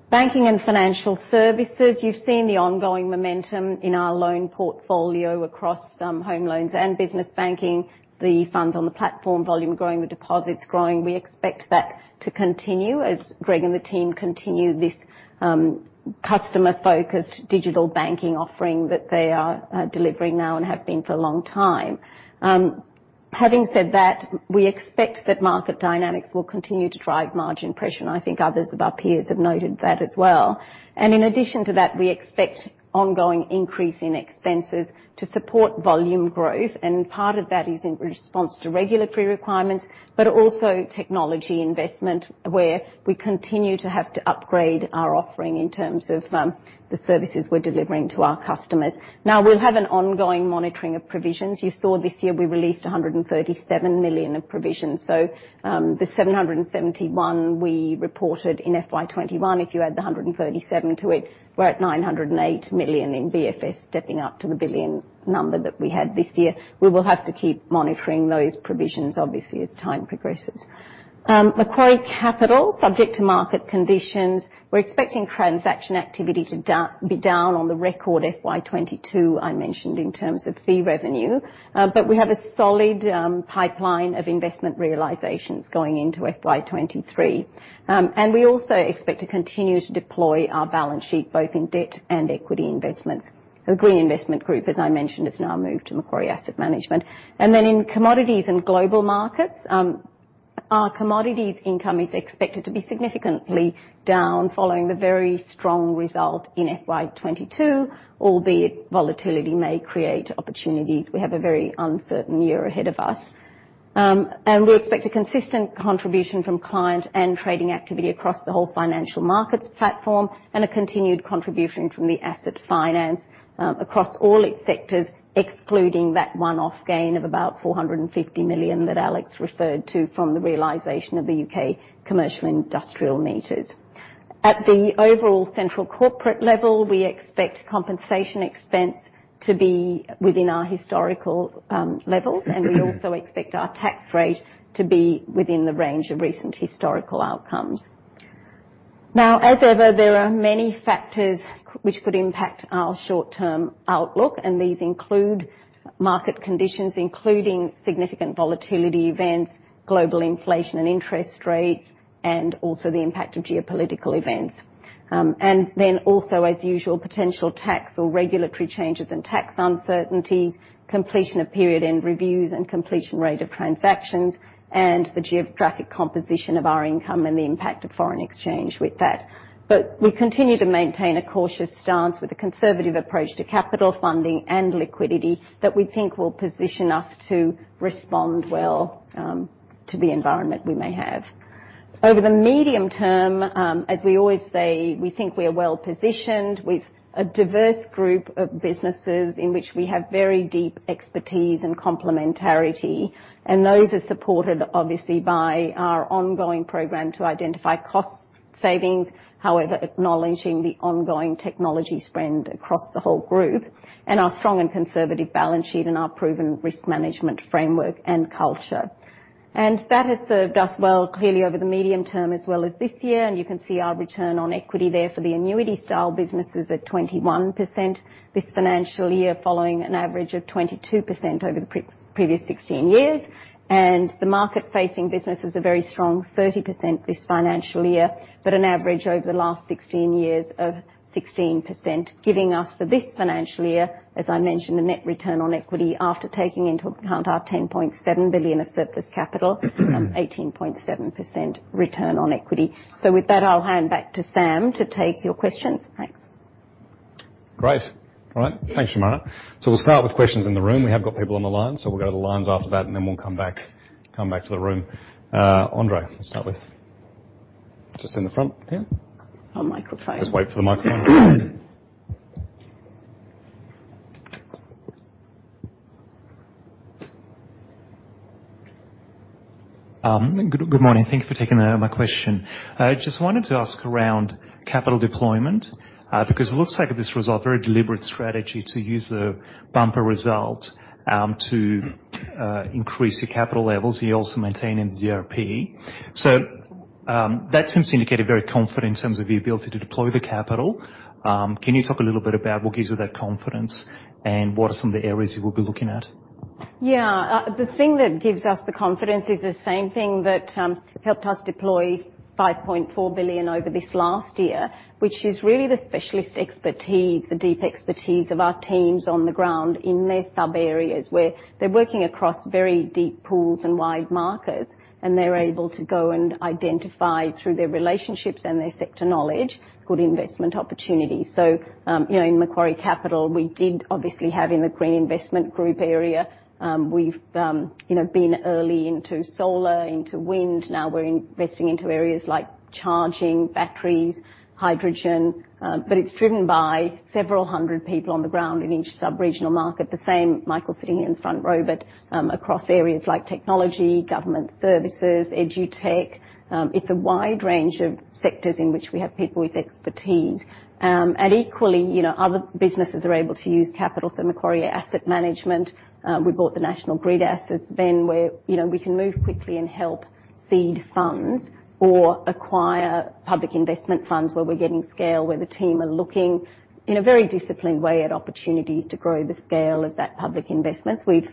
Banking and Financial Services, you've seen the ongoing momentum in our loan portfolio across home loans and business banking. The funds on the platform volume growing, the deposits growing. We expect that to continue as Greg and the team continue this customer-focused digital banking offering that they are delivering now and have been for a long time. Having said that, we expect that market dynamics will continue to drive margin pressure, and I think others of our peers have noted that as well. In addition to that, we expect ongoing increase in expenses to support volume growth, and part of that is in response to regulatory requirements, but also technology investment where we continue to have to upgrade our offering in terms of, the services we're delivering to our customers. Now, we'll have an ongoing monitoring of provisions. You saw this year we released 137 million of provisions. The 771 we reported in FY 2021, if you add the 137 to it, we're at 908 million in BFS, stepping up to the 1 billion number that we had this year. We will have to keep monitoring those provisions, obviously, as time progresses. Macquarie Capital, subject to market conditions, we're expecting transaction activity to be down on the record FY 2022, I mentioned, in terms of fee revenue. We have a solid pipeline of investment realizations going into FY 2023. We also expect to continue to deploy our balance sheet, both in debt and equity investments. The Green Investment Group, as I mentioned, has now moved to Macquarie Asset Management. In Commodities and Global Markets, our commodities income is expected to be significantly down following the very strong result in FY 2022. Albeit volatility may create opportunities, we have a very uncertain year ahead of us. We expect a consistent contribution from client and trading activity across the whole financial markets platform, and a continued contribution from the asset finance across all its sectors, excluding that one-off gain of about 450 million that Alex referred to from the realization of the U.K. commercial industrial meters. At the overall central corporate level, we expect compensation expense to be within our historical levels. We also expect our tax rate to be within the range of recent historical outcomes. Now, as ever, there are many factors which could impact our short-term outlook, and these include market conditions, including significant volatility events, global inflation and interest rates, and also the impact of geopolitical events, as usual, potential tax or regulatory changes and tax uncertainties, completion of period-end reviews and completion rate of transactions, and the geographic composition of our income and the impact of foreign exchange with that. We continue to maintain a cautious stance with a conservative approach to capital funding and liquidity that we think will position us to respond well to the environment we may have. Over the medium term, as we always say, we think we are well-positioned with a diverse group of businesses in which we have very deep expertise and complementarity. Those are supported, obviously, by our ongoing program to identify cost savings, however, acknowledging the ongoing technology spend across the whole group, and our strong and conservative balance sheet and our proven risk management framework and culture. That has served us well, clearly, over the medium term, as well as this year. You can see our return on equity there for the annuity style businesses at 21% this financial year, following an average of 22% over the previous 16 years. The market-facing businesses are very strong, 30% this financial year, but an average over the last 16 years of 16%, giving us, for this financial year, as I mentioned, a net return on equity after taking into account our 10.7 billion of surplus capital, 18.7% return on equity. With that, I'll hand back to Sam to take your questions. Thanks. Great. All right. Thanks, Shemara. We'll start with questions in the room. We have got people on the line, so we'll go to the lines after that, and then we'll come back to the room. Andre, we'll start with just in the front here. A microphone. Just wait for the microphone. Good morning. Thank you for taking my question. I just wanted to ask around capital deployment, because it looks like this was a very deliberate strategy to use the bumper result to increase the capital levels. You're also maintaining the DRP. That seems to indicate a very confidence in terms of your ability to deploy the capital. Can you talk a little bit about what gives you that confidence and what are some of the areas you will be looking at? Yeah, the thing that gives us the confidence is the same thing that helped us deploy 5.4 billion over this last year, which is really the specialist expertise, the deep expertise of our teams on the ground in their sub-areas, where they're working across very deep pools and wide markets, and they're able to go and identify through their relationships and their sector knowledge, good investment opportunities. You know, in Macquarie Capital, we did obviously have in the Green Investment Group area, we've, you know, been early into solar, into wind. Now we're investing into areas like charging batteries, hydrogen, but it's driven by several hundred people on the ground in each sub-regional market. The same, Michael Silverton sitting here in the front row, but, across areas like technology, government services, EdTech. It's a wide range of sectors in which we have people with expertise. Equally, you know, other businesses are able to use capital. Macquarie Asset Management, we bought the National Grid assets. We're, you know, we can move quickly and help seed funds or acquire public investment funds where we're getting scale, where the team are looking in a very disciplined way at opportunities to grow the scale of that public investments. We've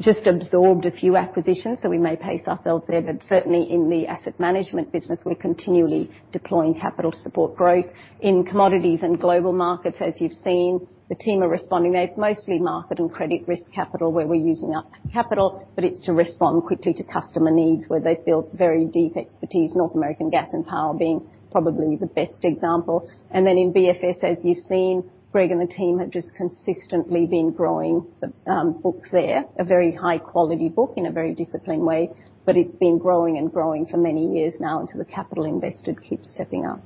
just absorbed a few acquisitions, so we may pace ourselves there, but certainly in the asset management business, we're continually deploying capital to support growth. In Commodities and Global Markets, as you've seen, the team are responding. That's mostly market and credit risk capital where we're using up capital, but it's to respond quickly to customer needs where they feel very deep expertise, North American gas and power being probably the best example. In BFS, as you've seen, Greg and the team have just consistently been growing the books there, a very high quality book in a very disciplined way, but it's been growing and growing for many years now, so the capital invested keeps stepping up.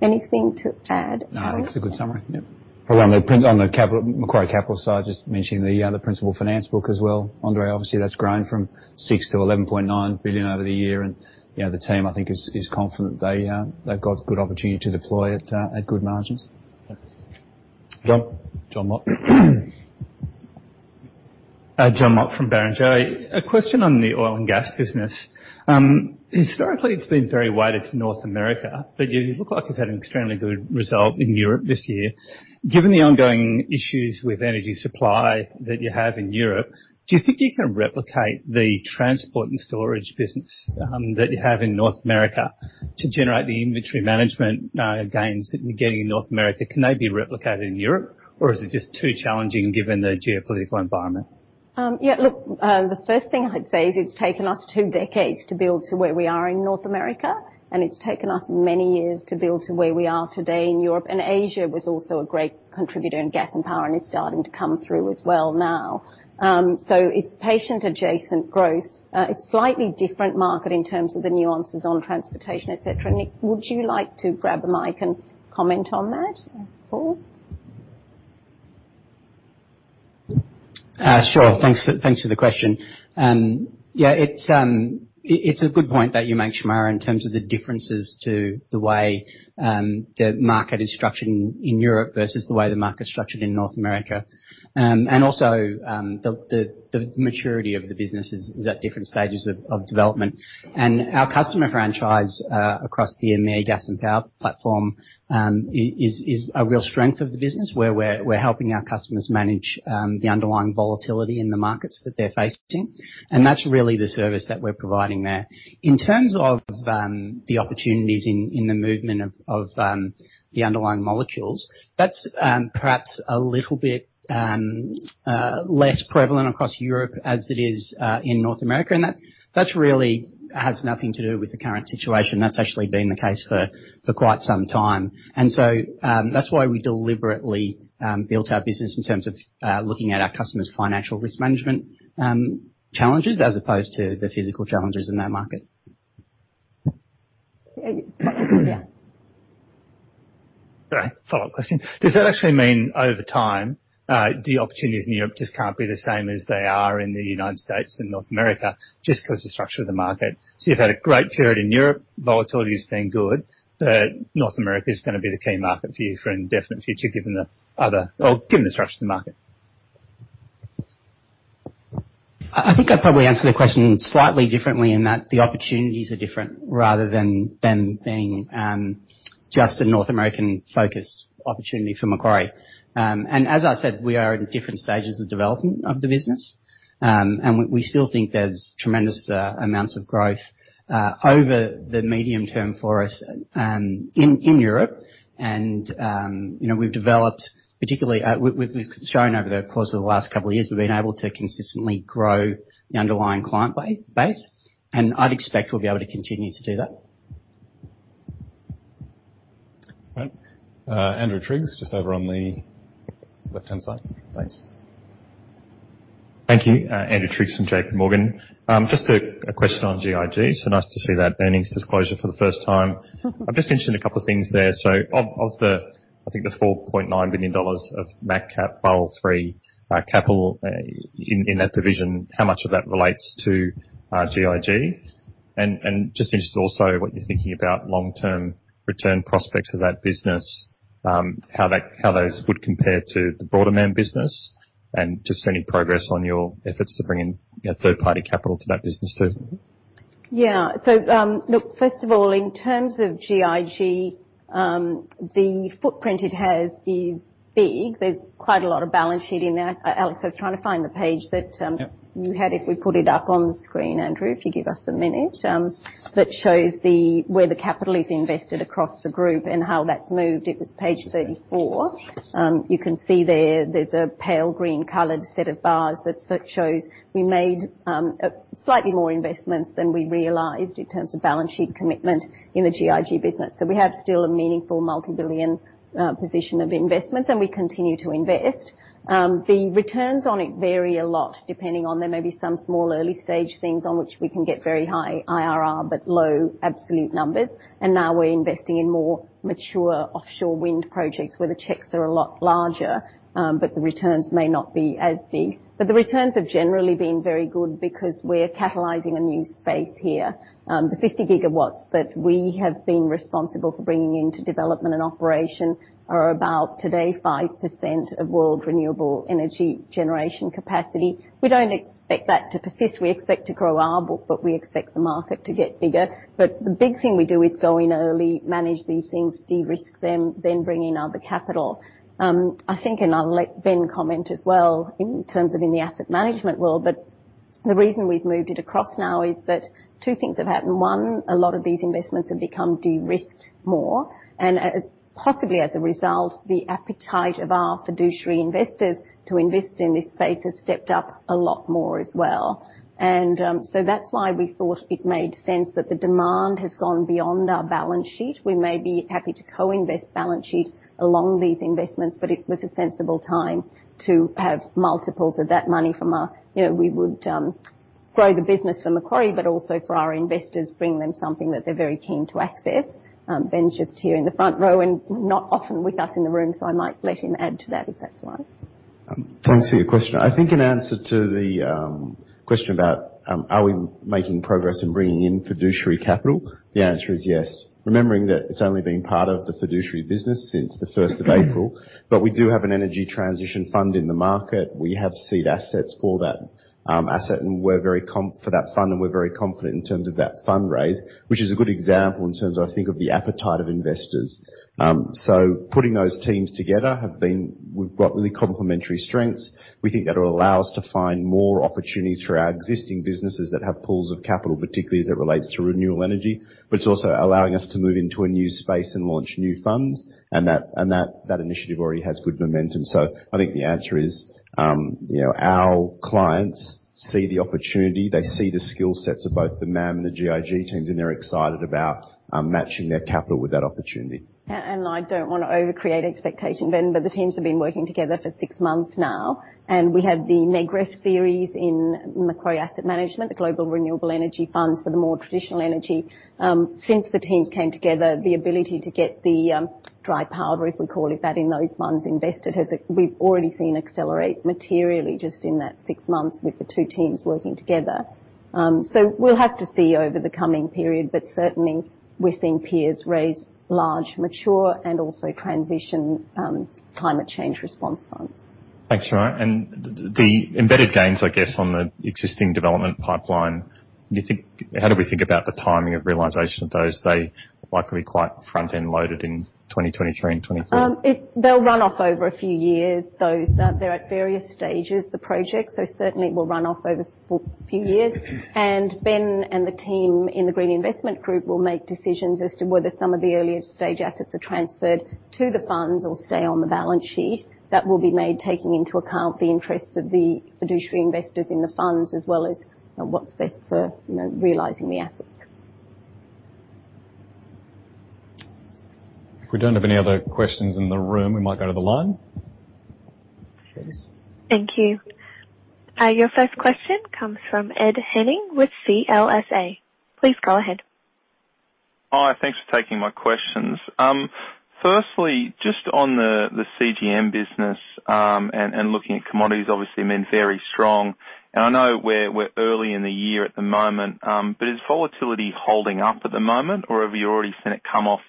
Anything to add, Alex? No, that's a good summary. Yep. On the capital, Macquarie Capital side, just mentioning the principal finance book as well. Andre, obviously, that's grown from 6 billion to 11.9 billion over the year, and you know, the team, I think, is confident they've got good opportunity to deploy at good margins. Jonathan Mott. Jonathan Mott from Barrenjoey. A question on the oil and gas business. Historically, it's been very weighted to North America, but you look like you've had an extremely good result in Europe this year. Given the ongoing issues with energy supply that you have in Europe, do you think you can replicate the transport and storage business, that you have in North America to generate the inventory management, gains that you're getting in North America? Can they be replicated in Europe, or is it just too challenging given the geopolitical environment? Yeah, look, the first thing I'd say is it's taken us two decades to build to where we are in North America, and it's taken us many years to build to where we are today in Europe. Asia was also a great contributor in gas and power and is starting to come through as well now. So it's patient adjacent growth. It's slightly different market in terms of the nuances on transportation, et cetera. Nick, would you like to grab the mic and comment on that at all? Sure. Thanks for the question. Yeah, it's a good point that you make, Shemara, in terms of the differences to the way the market is structured in Europe versus the way the market is structured in North America. Also, the maturity of the business is at different stages of development. Our customer franchise across the MA gas and power platform is a real strength of the business, where we're helping our customers manage the underlying volatility in the markets that they're facing. That's really the service that we're providing there. In terms of the opportunities in the movement of the underlying molecules, that's perhaps a little bit less prevalent across Europe as it is in North America. That really has nothing to do with the current situation. That's actually been the case for quite some time. That's why we deliberately built our business in terms of looking at our customers' financial risk management challenges, as opposed to the physical challenges in that market. Yeah. All right. Follow-up question. Does that actually mean over time, the opportunities in Europe just can't be the same as they are in the United States and North America just 'cause the structure of the market? You've had a great period in Europe, volatility's been good, but North America is gonna be the key market for you for indefinite future given the structure of the market. I think I'd probably answer the question slightly differently in that the opportunities are different rather than them being just a North American-focused opportunity for Macquarie. As I said, we are in different stages of development of the business, and we still think there's tremendous amounts of growth over the medium term for us in Europe. You know, we've developed, particularly, we've shown over the course of the last couple of years, we've been able to consistently grow the underlying client base, and I'd expect we'll be able to continue to do that. Right. Andrew Triggs, just over on the left-hand side. Thanks. Thank you. Andrew Triggs from JPMorgan. Just a question on GIG. Nice to see that earnings disclosure for the first time. I'm just interested in a couple of things there. Of the, I think, 4.9 billion dollars of MacCap Basel III capital in that division, how much of that relates to GIG? Just interested also what you're thinking about long-term return prospects of that business, how those would compare to the broader MAM business, and just any progress on your efforts to bring in, you know, third-party capital to that business too. Yeah. Look, first of all, in terms of GIG, the footprint it has is big. There's quite a lot of balance sheet in there. Alex, I was trying to find the page, but, Yeah. You had if we put it up on screen, Andrew, if you give us a minute, that shows where the capital is invested across the group and how that's moved. It was page 34. You can see there's a pale green-colored set of bars that shows we made slightly more investments than we realized in terms of balance sheet commitment in the GIG business. We have still a meaningful multi-billion AUD position of investments, and we continue to invest. The returns on it vary a lot depending on there may be some small early stage things on which we can get very high IRR, but low absolute numbers. Now we're investing in more mature offshore wind projects where the checks are a lot larger, but the returns may not be as big. The returns have generally been very good because we're catalyzing a new space here. The 50 GW that we have been responsible for bringing into development and operation are about to date 5% of world renewable energy generation capacity. We don't expect that to persist. We expect to grow our book, but we expect the market to get bigger. The big thing we do is go in early, manage these things, de-risk them, then bring in other capital. I think, and I'll let Ben comment as well in terms of in the asset management world, but the reason we've moved it across now is that two things have happened. One, a lot of these investments have become de-risked more. As, possibly as a result, the appetite of our fiduciary investors to invest in this space has stepped up a lot more as well. That's why we thought it made sense that the demand has gone beyond our balance sheet. We may be happy to co-invest balance sheet along these investments, but it was a sensible time to have multiples of that money from our. You know, we would grow the business for Macquarie, but also for our investors, bring them something that they're very keen to access. Ben Way's just here in the front row and not often with us in the room, so I might let him add to that, if that's fine. Thanks for your question. I think in answer to the question about are we making progress in bringing in fiduciary capital, the answer is yes. Remembering that it's only been part of the fiduciary business since April 1st, but we do have an energy transition fund in the market. We have seed assets for that asset, and we're very confident in terms of that fundraise, which is a good example in terms of, I think, of the appetite of investors. Putting those teams together have been. We've got really complementary strengths. We think that'll allow us to find more opportunities for our existing businesses that have pools of capital, particularly as it relates to renewable energy, but it's also allowing us to move into a new space and launch new funds, and that initiative already has good momentum. I think the answer is, you know, our clients see the opportunity, they see the skill sets of both the MAM and the GIG teams, and they're excited about matching their capital with that opportunity. I don't wanna over-create expectation, Ben, but the teams have been working together for six months now, and we had the MGREF series in Macquarie Asset Management, the Global Renewable Energy Funds for the more traditional energy. Since the teams came together, the ability to get the dry powder, if we call it that, in those funds invested, we've already seen accelerate materially just in that six months with the two teams working together. We'll have to see over the coming period, but certainly we're seeing peers raise large, mature, and also transition, climate change response funds. Thanks, Shemara. The embedded gains, I guess, on the existing development pipeline, you think, how do we think about the timing of realization of those? They are likely quite front-end loaded in 2023 and 2024. They'll run off over a few years, those. They're at various stages, the projects, so certainly will run off over few years. Ben and the team in the Green Investment Group will make decisions as to whether some of the earlier stage assets are transferred to the funds or stay on the balance sheet. That will be made taking into account the interests of the fiduciary investors in the funds, as well as, you know, what's best for, you know, realizing the assets. If we don't have any other questions in the room, we might go to the line. Please. Thank you. Your first question comes from Ed Henning with CLSA. Please go ahead. Hi. Thanks for taking my questions. Firstly, just on the CGM business, and looking at commodities, obviously have been very strong. I know we're early in the year at the moment, but is volatility holding up at the moment, or have you already seen it come off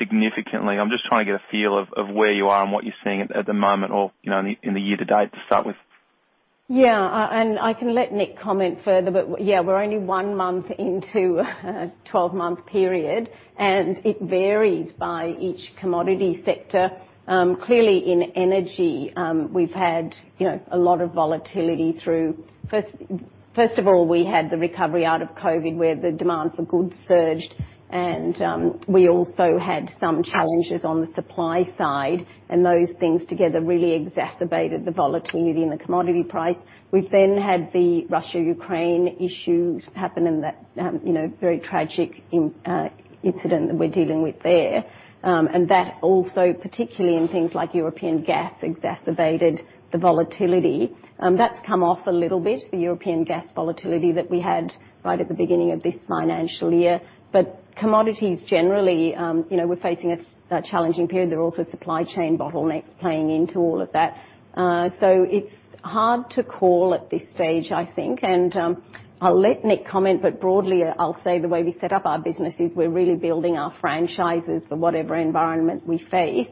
significantly? I'm just trying to get a feel of where you are and what you're seeing at the moment or, you know, in the year to date to start with. Yeah. I can let Nick comment further, but yeah, we're only one month into a 12-month period, and it varies by each commodity sector. Clearly in energy, we've had, you know, a lot of volatility. First of all, we had the recovery out of COVID, where the demand for goods surged, and we also had some challenges on the supply side, and those things together really exacerbated the volatility in the commodity price. We've then had the Russia-Ukraine issues happen and that, you know, very tragic incident that we're dealing with there. That also, particularly in things like European gas, exacerbated the volatility. That's come off a little bit, the European gas volatility that we had right at the beginning of this financial year. Commodities generally, you know, we're facing a challenging period. There are also supply chain bottlenecks playing into all of that. It's hard to call at this stage, I think. I'll let Nick comment, but broadly, I'll say the way we set up our business is we're really building our franchises for whatever environment we face.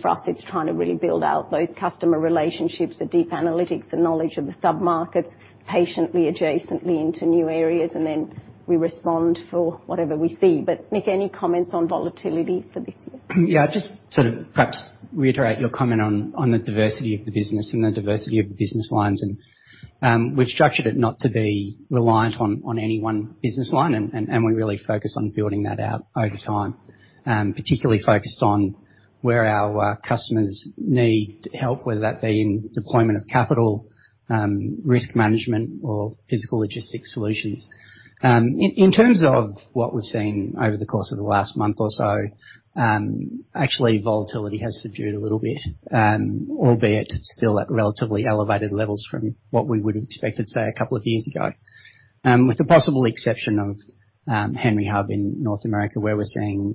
For us, it's trying to really build out those customer relationships, the deep analytics and knowledge of the submarkets, patiently, adjacently into new areas, and then we respond for whatever we see. Nick, any comments on volatility for this year? Yeah, just to perhaps reiterate your comment on the diversity of the business and the diversity of the business lines. We've structured it not to be reliant on any one business line, and we really focus on building that out over time. Particularly focused on where our customers need help, whether that be in deployment of capital, risk management or physical logistics solutions. In terms of what we've seen over the course of the last month or so, actually volatility has subdued a little bit, albeit still at relatively elevated levels from what we would have expected, say, a couple of years ago. With the possible exception of Henry Hub in North America, where we're seeing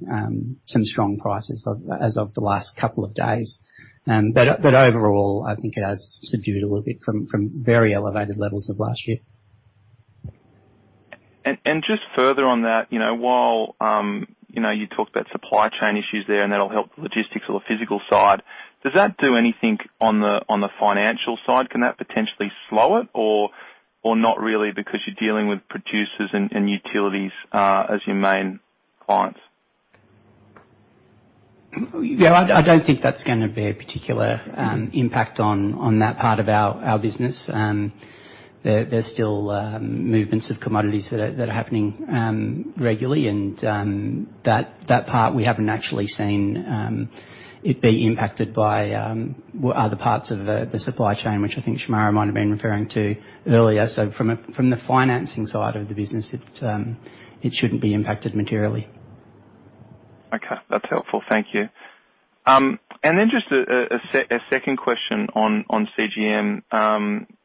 some strong prices as of the last couple of days. Overall, I think it has subdued a little bit from very elevated levels of last year. Just further on that, you know, while you know, you talked about supply chain issues there, and that'll help the logistics or the physical side, does that do anything on the financial side? Can that potentially slow it or not really because you're dealing with producers and utilities as your main clients? Yeah, I don't think that's gonna be a particular impact on that part of our business. There's still movements of commodities that are happening regularly, and that part we haven't actually seen it be impacted by other parts of the supply chain, which I think Shemara might have been referring to earlier. From the financing side of the business, it shouldn't be impacted materially. Okay, that's helpful. Thank you. Just a second question on CGM.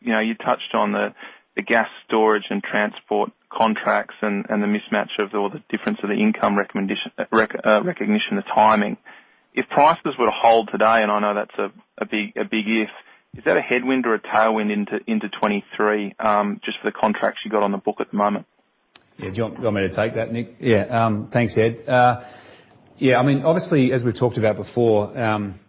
You know, you touched on the gas storage and transport contracts and the mismatch of all the difference of the income recognition, the timing. If prices were to hold today, and I know that's a big if, is that a headwind or a tailwind into 2023, just for the contracts you got on the book at the moment? Yeah. Do you want me to take that, Nick? Yeah, thanks, Ed. Yeah, I mean, obviously, as we've talked about before,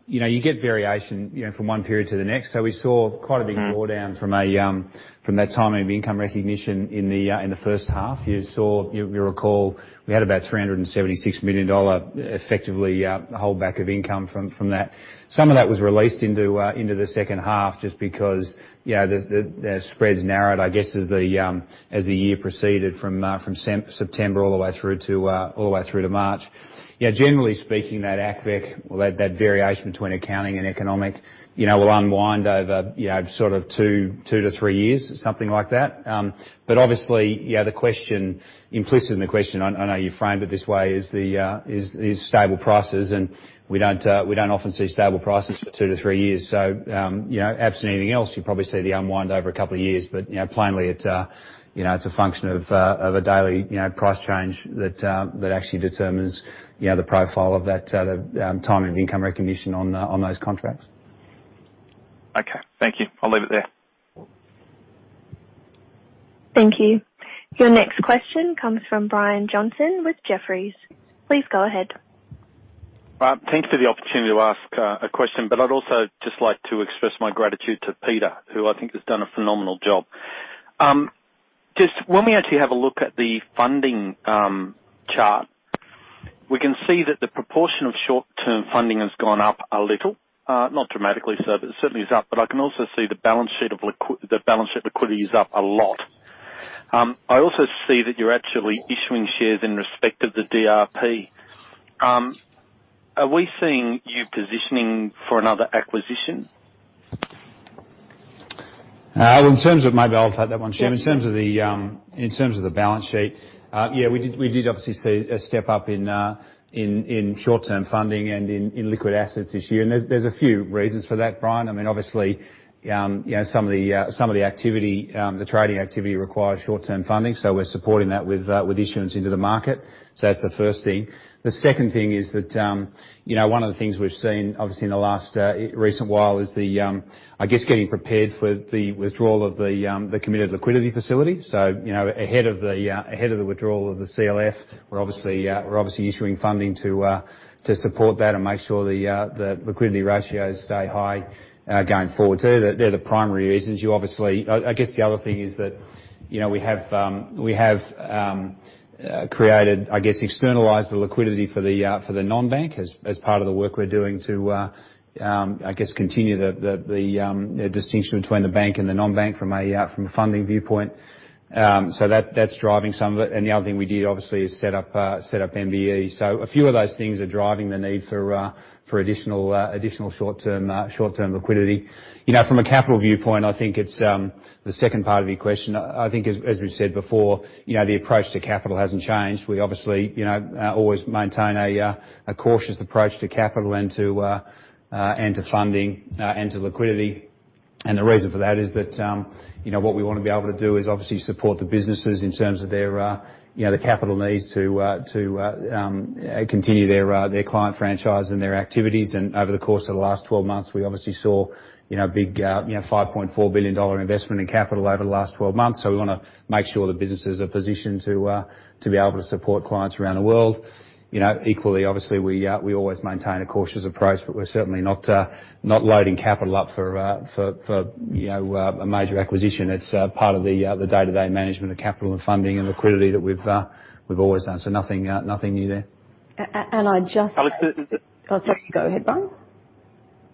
you know, you get variation, you know, from one period to the next. We saw quite a big drawdown from that timing of income recognition in the first half. You recall we had about AUD 376 million effectively holdback of income from that. Some of that was released into the second half just because, you know, the spreads narrowed, I guess, as the year proceeded from September all the way through to March. Yeah, generally speaking, that ACEV, that variation between accounting and economic, you know, will unwind over, you know, sort of two to three years, something like that. Obviously, yeah, the question, implicit in the question, I know you framed it this way, is stable prices, and we don't often see stable prices for two to years. You know, absent anything else, you probably see the unwind over a couple of years. You know, plainly, it's a function of a daily, you know, price change that actually determines, you know, the profile of that, the timing of income recognition on those contracts. Okay. Thank you. I'll leave it there. Thank you. Your next question comes from Brian Johnson with Jefferies. Please go ahead. Thanks for the opportunity to ask a question, but I'd also just like to express my gratitude to Peter, who I think has done a phenomenal job. Just when we actually have a look at the funding chart, we can see that the proportion of short-term funding has gone up a little, not dramatically so, but it certainly is up. I can also see the balance sheet liquidity is up a lot. I also see that you're actually issuing shares in respect of the DRP. Are we seeing you positioning for another acquisition? Maybe I'll take that one, Shem. In terms of the balance sheet, yeah, we did obviously see a step up in short-term funding and in liquid assets this year. There's a few reasons for that, Brian. I mean, obviously, you know, some of the activity, the trading activity requires short-term funding, so we're supporting that with issuance into the market. That's the first thing. The second thing is that, you know, one of the things we've seen obviously in the last recent while is, I guess, getting prepared for the withdrawal of the committed liquidity facility. You know, ahead of the withdrawal of the CLF, we're obviously issuing funding to support that and make sure the liquidity ratios stay high going forward. They're the primary reasons. I guess the other thing is that, you know, we have externalized the liquidity for the non-bank as part of the work we're doing to, I guess, continue the distinction between the bank and the non-bank from a funding viewpoint. That's driving some of it. The other thing we did, obviously, is set up MBE. A few of those things are driving the need for additional short-term liquidity. You know, from a capital viewpoint, I think it's the second part of your question. I think as we've said before, you know, the approach to capital hasn't changed. We obviously, you know, always maintain a cautious approach to capital and to funding and to liquidity. The reason for that is that, you know, what we wanna be able to do is obviously support the businesses in terms of their, you know, the capital needs to continue their client franchise and their activities. Over the course of the last 12 months, we obviously saw, you know, big, you know, 5.4 billion dollar investment in capital over the last 12 months. We wanna make sure the businesses are positioned to be able to support clients around the world. You know, equally, obviously, we always maintain a cautious approach, but we're certainly not loading capital up for, you know, a major acquisition. It's part of the day-to-day management of capital and funding and liquidity that we've always done. Nothing new there. I just Alex, is it? Go ahead, Brian.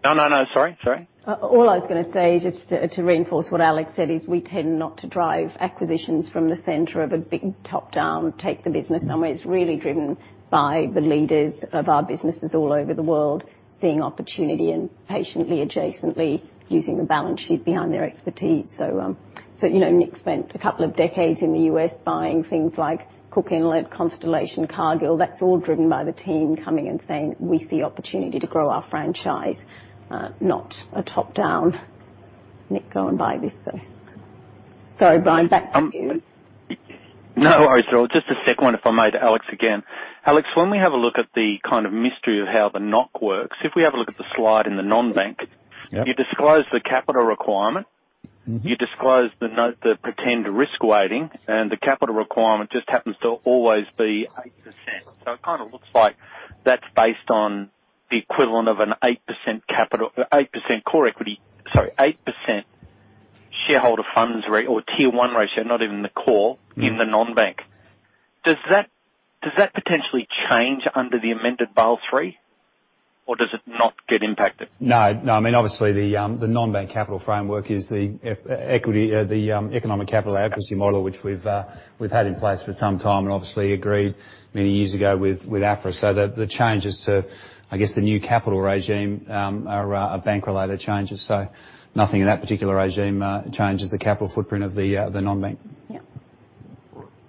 No, no. Sorry. Sorry. All I was gonna say, just to reinforce what Alex said, is we tend not to drive acquisitions from the center of a big top-down, take the business somewhere. It's really driven by the leaders of our businesses all over the world seeing opportunity and patiently, adjacently using the balance sheet behind their expertise. You know, Nick spent a couple of decades in the U.S. buying things like Cook Inlet, Constellation, Cargill. That's all driven by the team coming and saying, "We see opportunity to grow our franchise," not a top-down. Nick, go and buy this thing. Sorry, Brian, back to you. No worries. Just a second one, if I may, to Alex again. Alex, when we have a look at the kind of mystery of how the NOC works, if we have a look at the slide in the non-bank- Yep. You disclose the capital requirement. Mm-hmm. You disclose the note, the prescribed risk weighting, and the capital requirement just happens to always be 8%. It kinda looks like that's based on the equivalent of an 8% capital, 8% core equity. Sorry, 8% shareholder funds ratio or Tier 1 ratio, not even the core, in the non-bank. Does that potentially change under the amended Basel III? Or does it not get impacted? No, no. I mean, obviously the non-bank capital framework is the economic capital adequacy model which we've had in place for some time, and obviously agreed many years ago with APRA. The changes to, I guess, the new capital regime are bank-related changes, so nothing in that particular regime changes the capital footprint of the non-bank. Yeah.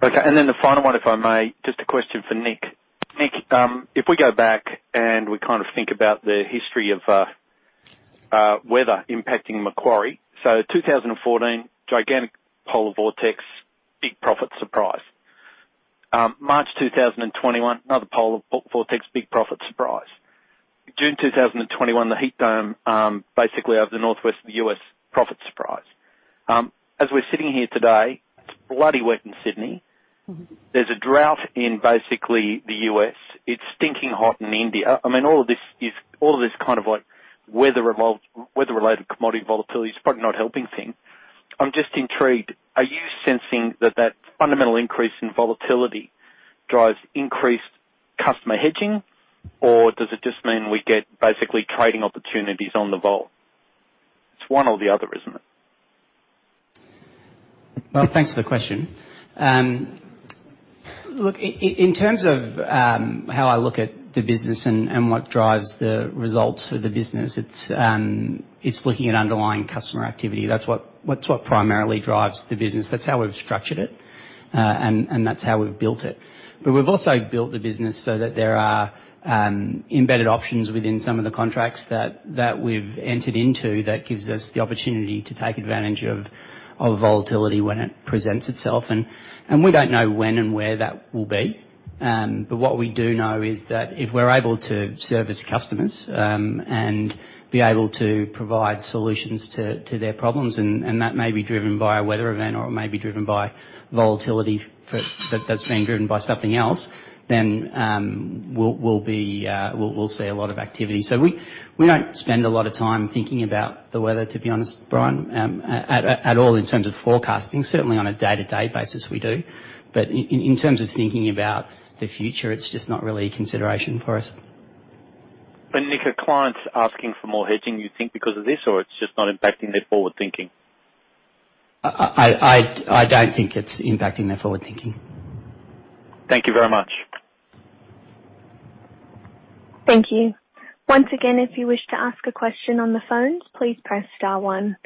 Okay. Then the final one, if I may, just a question for Nick. Nick, if we go back and we kind of think about the history of weather impacting Macquarie. 2014, gigantic polar vortex, big profit surprise. March 2021, another polar vortex, big profit surprise. June 2021, the heat dome, basically over the northwest of the U.S., profit surprise. As we're sitting here today, it's bloody wet in Sydney. Mm-hmm. There's a drought in basically the US. It's stinking hot in India. I mean all of this is, all of this kind of like weather-related commodity volatility is probably not helping things. I'm just intrigued, are you sensing that that fundamental increase in volatility drives increased customer hedging? Or does it just mean we get basically trading opportunities on the vol? It's one or the other, isn't it? Well, thanks for the question. Look in terms of how I look at the business and what drives the results for the business, it's looking at underlying customer activity. That's what primarily drives the business. That's how we've structured it, and that's how we've built it. But we've also built the business so that there are embedded options within some of the contracts that we've entered into that gives us the opportunity to take advantage of volatility when it presents itself. We don't know when and where that will be. What we do know is that if we're able to service customers and be able to provide solutions to their problems, and that may be driven by a weather event, or it may be driven by volatility that's being driven by something else, then we'll see a lot of activity. We don't spend a lot of time thinking about the weather, to be honest, Brian, at all in terms of forecasting. Certainly on a day-to-day basis, we do. In terms of thinking about the future, it's just not really a consideration for us. Nick, are clients asking for more hedging, you think because of this? It's just not impacting their forward thinking? I don't think it's impacting their forward thinking. Thank you very much. Thank you. Once again, if you wish to ask a question on the phone, please press star one.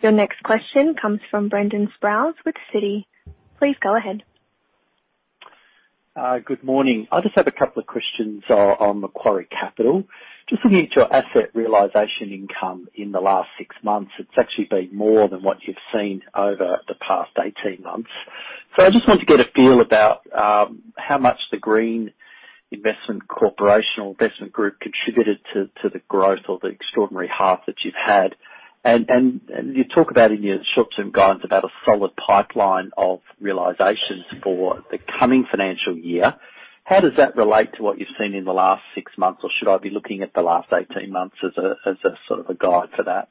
Your next question comes from Brendan Sproules with Citi. Please go ahead. Good morning. I just have a couple of questions on Macquarie Capital. Just looking at your asset realization income in the last 6 months, it's actually been more than what you've seen over the past 18 months. I just wanted to get a feel about how much the Green Investment Group contributed to the growth or the extraordinary half that you've had. You talk about in your charts and guides about a solid pipeline of realizations for the coming financial year. How does that relate to what you've seen in the last 6 months? Should I be looking at the last 18 months as a sort of guide for that?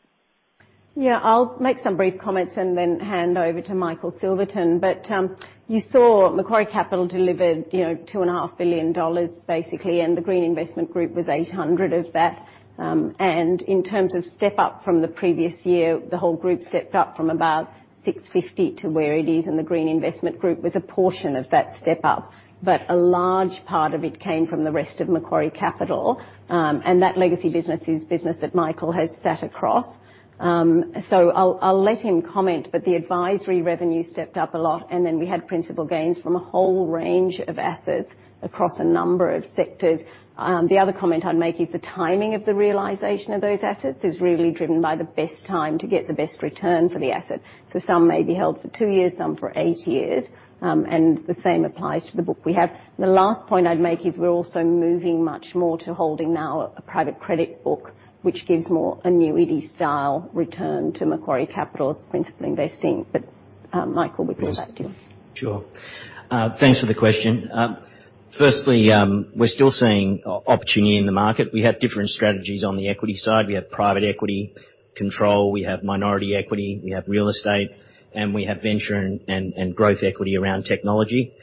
Yeah. I'll make some brief comments and then hand over to Michael Silverton. You saw Macquarie Capital delivered, you know, 2.5 billion dollars, basically, and the Green Investment Group was 800 million of that. In terms of step up from the previous year, the whole group stepped up from about 650 million to where it is, and the Green Investment Group was a portion of that step up. A large part of it came from the rest of Macquarie Capital, and that legacy business is business that Michael has sat across. I'll let him comment, but the advisory revenue stepped up a lot and then we had principal gains from a whole range of assets across a number of sectors. The other comment I'd make is the timing of the realization of those assets is really driven by the best time to get the best return for the asset. Some may be held for two years, some for eight years, and the same applies to the book we have. The last point I'd make is we're also moving much more to holding now a private credit book, which gives more annuity-style return to Macquarie Capital's principal investing. Michael, we can pass to you. Yes. Sure. Thanks for the question. Firstly, we're still seeing opportunity in the market. We have different strategies on the equity side. We have private equity control, we have minority equity, we have real estate, and we have venture and growth equity around technology.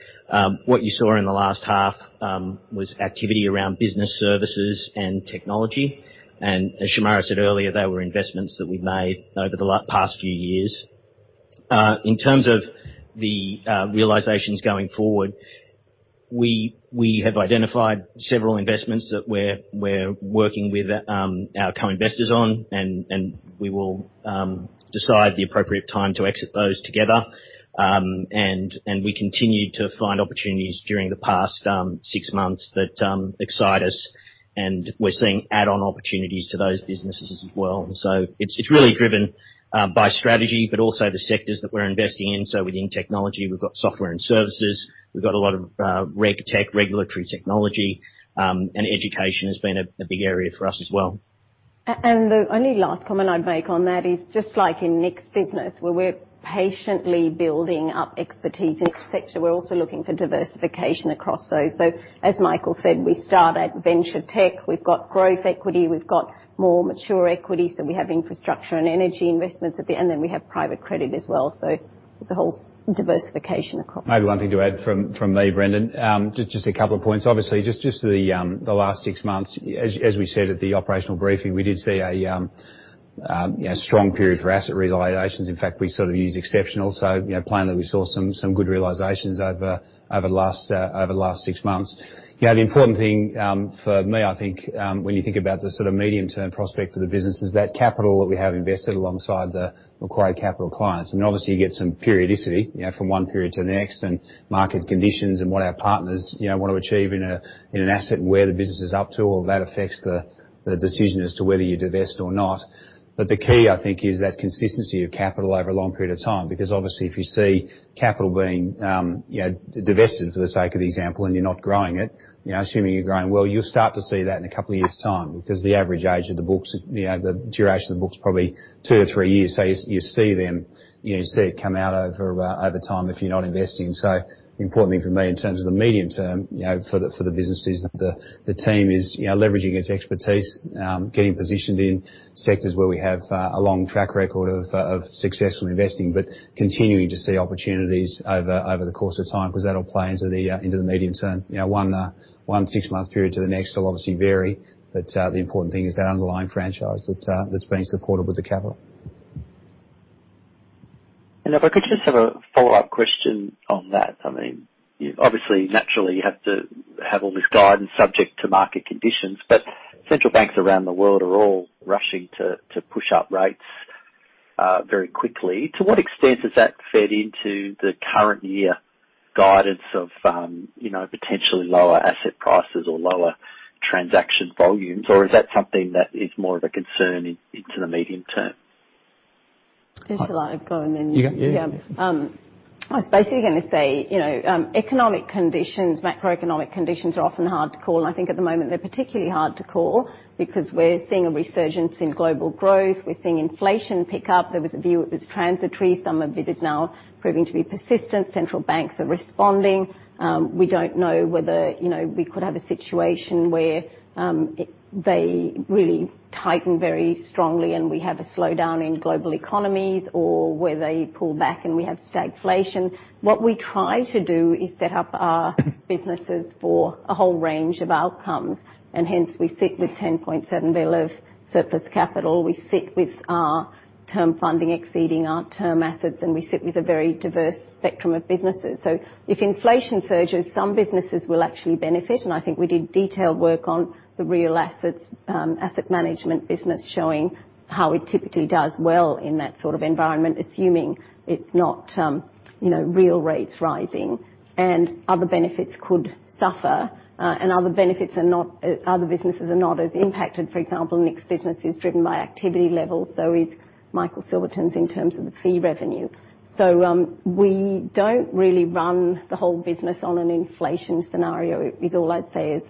What you saw in the last half was activity around business services and technology. As Shemara said earlier, they were investments that we made over the past few years. In terms of the realizations going forward, we have identified several investments that we're working with our co-investors on, and we will decide the appropriate time to exit those together. We continue to find opportunities during the past six months that excite us, and we're seeing add-on opportunities to those businesses as well. It's really driven by strategy, but also the sectors that we're investing in. Within technology, we've got software and services. We've got a lot of RegTech, regulatory technology, and education has been a big area for us as well. The only last comment I'd make on that is just like in Nick's business where we're patiently building up expertise in each sector. We're also looking for diversification across those. As Michael said, we start at venture tech, we've got growth equity, we've got more mature equity, so we have infrastructure and energy investments at the end, then we have private credit as well. It's a whole diversification across. Maybe one thing to add from me, Brendan, just a couple of points. Obviously, just the last six months, as we said at the operational briefing, we did see a, you know, strong period for asset realizations. In fact, we sort of used exceptional. You know, plainly, we saw some good realizations over the last six months. You know, the important thing for me, I think, when you think about the sort of medium-term prospect for the business is that capital that we have invested alongside the required capital clients. Obviously, you get some periodicity, you know, from one period to the next, and market conditions and what our partners, you know, want to achieve in an asset and where the business is up to, all that affects the decision as to whether you divest or not. The key, I think, is that consistency of capital over a long period of time. Obviously, if you see capital being divested for the sake of the example and you're not growing it, you know, assuming you're growing well, you'll start to see that in a couple of years' time. The average age of the books, you know, the duration of the books is probably two to three years. You see them, you know, you see it come out over time if you're not investing. The important thing for me in terms of the medium term, you know, for the businesses, the team is, you know, leveraging its expertise, getting positioned in sectors where we have a long track record of successful investing, but continuing to see opportunities over the course of time 'cause that'll play into the medium term. You know, one six-month period to the next will obviously vary, but the important thing is that underlying franchise that's being supported with the capital. If I could just have a follow-up question on that. I mean, you obviously, naturally have to have all this guidance subject to market conditions, but central banks around the world are all rushing to push up rates very quickly. To what extent has that fed into the current year guidance of, you know, potentially lower asset prices or lower transaction volumes? Or is that something that is more of a concern into the medium term? Just to like go, and then- You go, yeah. Yeah. I was basically gonna say, you know, economic conditions, macroeconomic conditions are often hard to call, and I think at the moment, they're particularly hard to call because we're seeing a resurgence in global growth, we're seeing inflation pick up. There was a view it was transitory. Some of it is now proving to be persistent. Central banks are responding. We don't know whether, you know, we could have a situation where they really tighten very strongly and we have a slowdown in global economies or where they pull back and we have stagflation. What we try to do is set up our businesses for a whole range of outcomes, and hence we sit with 10.7 billion of surplus capital. We sit with our term funding exceeding our term assets, and we sit with a very diverse spectrum of businesses. If inflation surges, some businesses will actually benefit, and I think we did detailed work on the real assets asset management business showing how it typically does well in that sort of environment, assuming it's not you know real rates rising and other businesses are not as impacted. For example, Nick's business is driven by activity levels, so is Michael Silverton's in terms of the fee revenue. We don't really run the whole business on an inflation scenario, is all I'd say is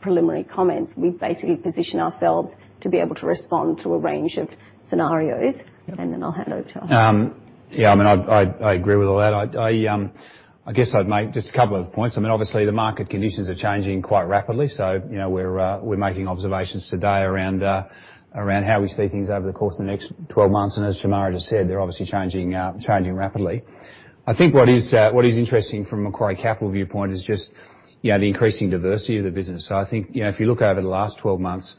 preliminary comments. We basically position ourselves to be able to respond to a range of scenarios. Yeah. I'll hand over to Alex. Yeah, I mean, I agree with all that. I guess I'd make just a couple of points. I mean, obviously the market conditions are changing quite rapidly. You know, we're making observations today around how we see things over the course of the next 12 months. Shemara just said, they're obviously changing rapidly. I think what is interesting from Macquarie Capital viewpoint is just, you know, the increasing diversity of the business. I think, you know, if you look over the last 12 months,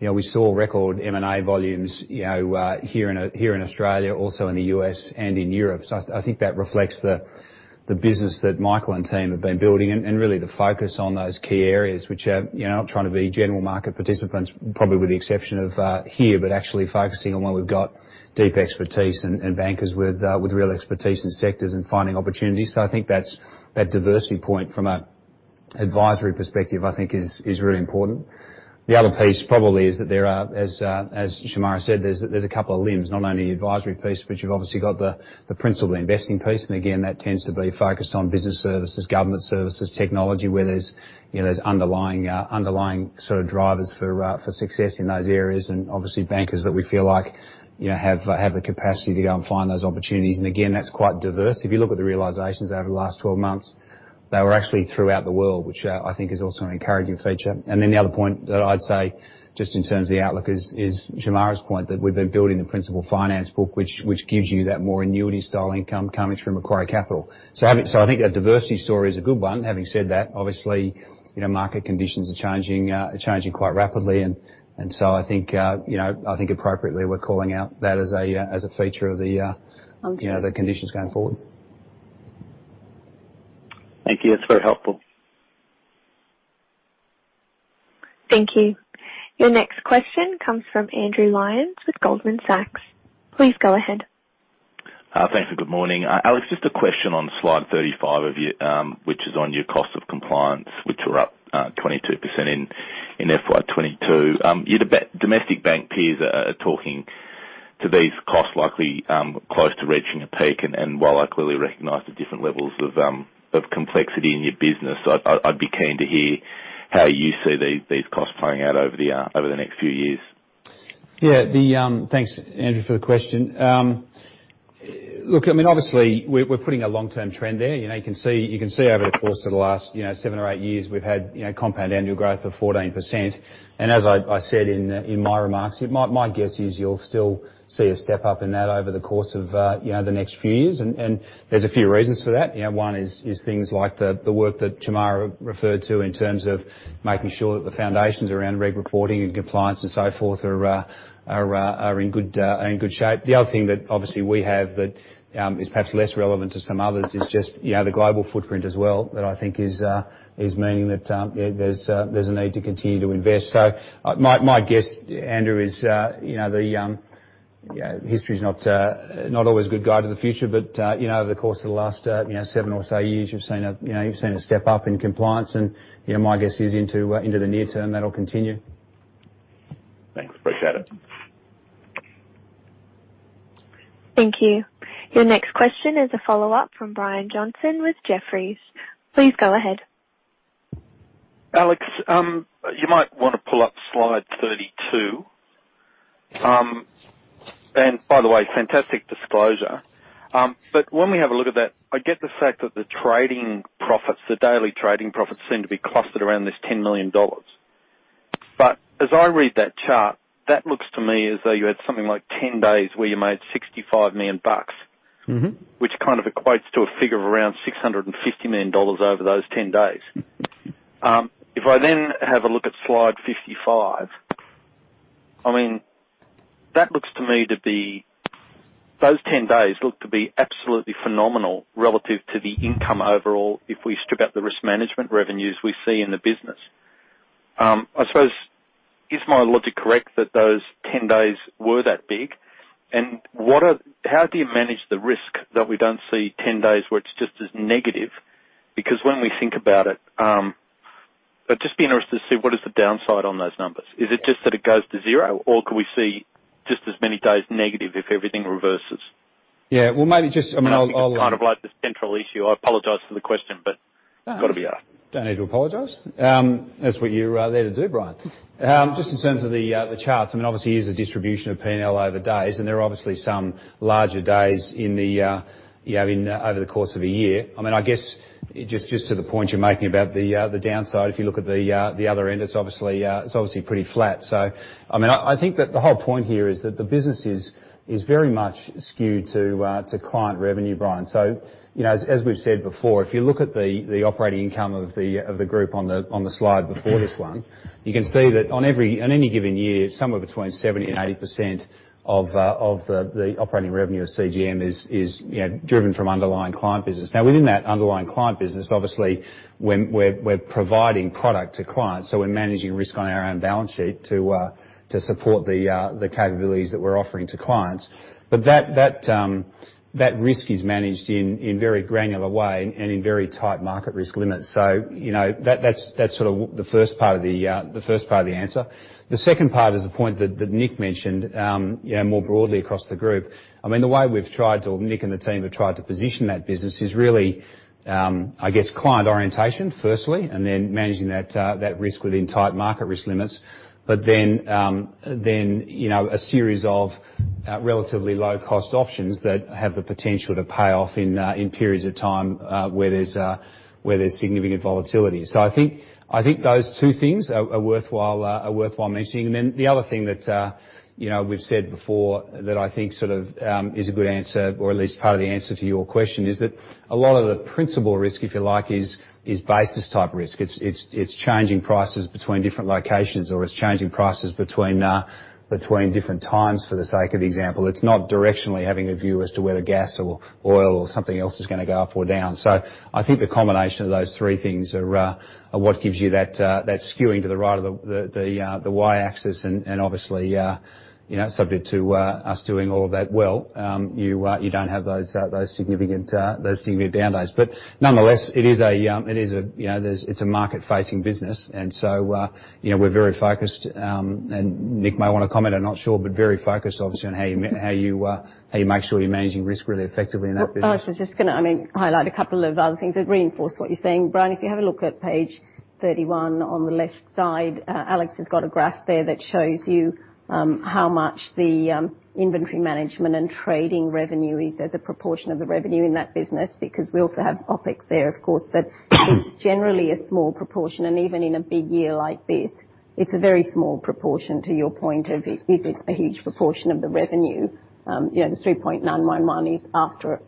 you know, we saw record M&A volumes, you know, here in Australia, also in the U.S. and in Europe. I think that reflects the business that Michael and team have been building and really the focus on those key areas which are, you know, not trying to be general market participants, probably with the exception of here, but actually focusing on where we've got deep expertise and bankers with real expertise in sectors and finding opportunities. I think that's the diversity point from an advisory perspective. I think it is really important. The other piece probably is that there are, as Shemara said, there's a couple of limbs, not only the advisory piece, but you've obviously got the principal investing piece. That tends to be focused on business services, government services, technology, where there's, you know, there's underlying sort of drivers for success in those areas. Obviously bankers that we feel like, you know, have the capacity to go and find those opportunities. Again, that's quite diverse. If you look at the realizations over the last 12 months, they were actually throughout the world, which, I think is also an encouraging feature. Then the other point that I'd say just in terms of the outlook is Shemara's point that we've been building the principal finance book, which gives you that more annuity style income coming through Macquarie Capital. So I think that diversity story is a good one. Having said that, obviously, you know, market conditions are changing quite rapidly, and so I think, you know, I think appropriately, we're calling out that as a feature of the, On the- You know, the conditions going forward. Thank you. That's very helpful. Thank you. Your next question comes from Andrew Lyons with Goldman Sachs. Please go ahead. Thanks and good morning. Alex, just a question on slide 35 of your, which is on your cost of compliance, which are up 22% in FY 2022. Your domestic bank peers are talking about these costs likely close to reaching a peak. While I clearly recognize the different levels of complexity in your business, I'd be keen to hear? How you see these costs playing out over the next few years? Yeah. Thanks, Andrew, for the question. Look, I mean, obviously, we're putting a long-term trend there. You know, you can see over the course of the last, you know, seven or eight years, we've had, you know, compound annual growth of 14%. As I said in my remarks, my guess is you'll still see a step-up in that over the course of, you know, the next few years. There's a few reasons for that. You know, one is things like the work that Shemara referred to in terms of making sure that the foundations around reg reporting and compliance and so forth are in good shape. The other thing that obviously we have that is perhaps less relevant to some others is just, you know, the global footprint as well. That I think is meaning that there's a need to continue to invest. My guess, Andrew, is, you know, history's not always a good guide to the future, but, you know, over the course of the last seven or so years, you've seen a step-up in compliance. My guess is into the near term, that'll continue. Thanks. Appreciate it. Thank you. Your next question is a follow-up from Brian Johnson with Jefferies. Please go ahead. Alex, you might wanna pull up slide 32. By the way, fantastic disclosure. When we have a look at that, I get the fact that the trading profits, the daily trading profits seem to be clustered around this 10 million dollars. As I read that chart, that looks to me as though you had something like 10 days where you made 65 million bucks. Mm-hmm. Which kind of equates to a figure of around 650 million dollars over those 10 days. If I then have a look at slide 55, I mean, that looks to me to be. Those 10 days look to be absolutely phenomenal relative to the income overall if we strip out the risk management revenues we see in the business. I suppose, is my logic correct that those 10 days were that big? How do you manage the risk that we don't see 10 days where it's just as negative? Because when we think about it, I'd just be interested to see what is the downside on those numbers. Is it just that it goes to zero, or could we see just as many days negative if everything reverses? Yeah. Well, I mean, I'll, I- It's kind of like the central issue. I apologize for the question, but. No It's gotta be asked. Don't need to apologize. That's what you're there to do, Brian. Just in terms of the charts, I mean, obviously, here's a distribution of P&L over days, and there are obviously some larger days in the you know in over the course of a year. I mean, I guess just to the point you're making about the downside, if you look at the other end, it's obviously pretty flat. So, I mean, I think that the whole point here is that the business is very much skewed to client revenue, Brian. You know, as we've said before, if you look at the operating income of the group on the slide before this one, you can see that in any given year, somewhere between 70%-80% of the operating revenue of CGM is you know driven from underlying client business. Now, within that underlying client business, obviously, we're providing product to clients, so we're managing risk on our own balance sheet to support the capabilities that we're offering to clients. But that risk is managed in very granular way and in very tight market risk limits. You know, that's sort of the first part of the first part of the answer. The second part is the point that Nick mentioned, you know, more broadly across the group. I mean, Nick and the team have tried to position that business is really, I guess, client orientation, firstly, and then managing that risk within tight market risk limits. You know, a series of relatively low-cost options that have the potential to pay off in periods of time where there's significant volatility. I think those two things are worthwhile mentioning. The other thing that, you know, we've said before that I think sort of is a good answer or at least part of the answer to your question is that a lot of the principal risk, if you like, is basis type risk. It's changing prices between different locations or it's changing prices between different times, for the sake of example. It's not directionally having a view as to whether gas or oil or something else is gonna go up or down. I think the combination of those three things are what gives you that skewing to the right of the y-axis. Obviously, you know, subject to us doing all of that well, you don't have those significant down days. Nonetheless, it is a, you know, it's a market-facing business. You know, we're very focused, and Nick may wanna comment, I'm not sure, but very focused obviously on how you make sure you're managing risk really effectively in that business. Well, I was just gonna, I mean, highlight a couple of other things that reinforce what you're saying, Brian. If you have a look at page 31 on the left side, Alex has got a graph there that shows you how much the inventory management and trading revenue is as a proportion of the revenue in that business, because we also have OpEx there, of course. But it's generally a small proportion, and even in a big year like this, it's a very small proportion to your point of, is it a huge proportion of the revenue? You know, the 3.911 is after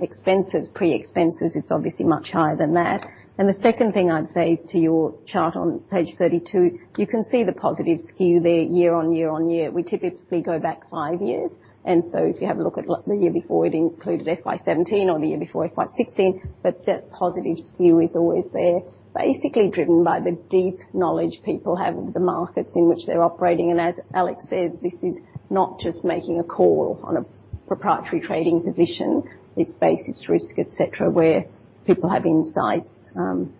expenses. Pre-expenses, it's obviously much higher than that. The second thing I'd say is to your chart on page 32, you can see the positive skew there year on year on year. We typically go back five years, and so if you have a look at the year before, it included FY 2017 or the year before, FY 2016, but that positive skew is always there, basically driven by the deep knowledge people have of the markets in which they're operating. As Alex says, this is not just making a call on a proprietary trading position. It's basis risk, et cetera, where people have insights. You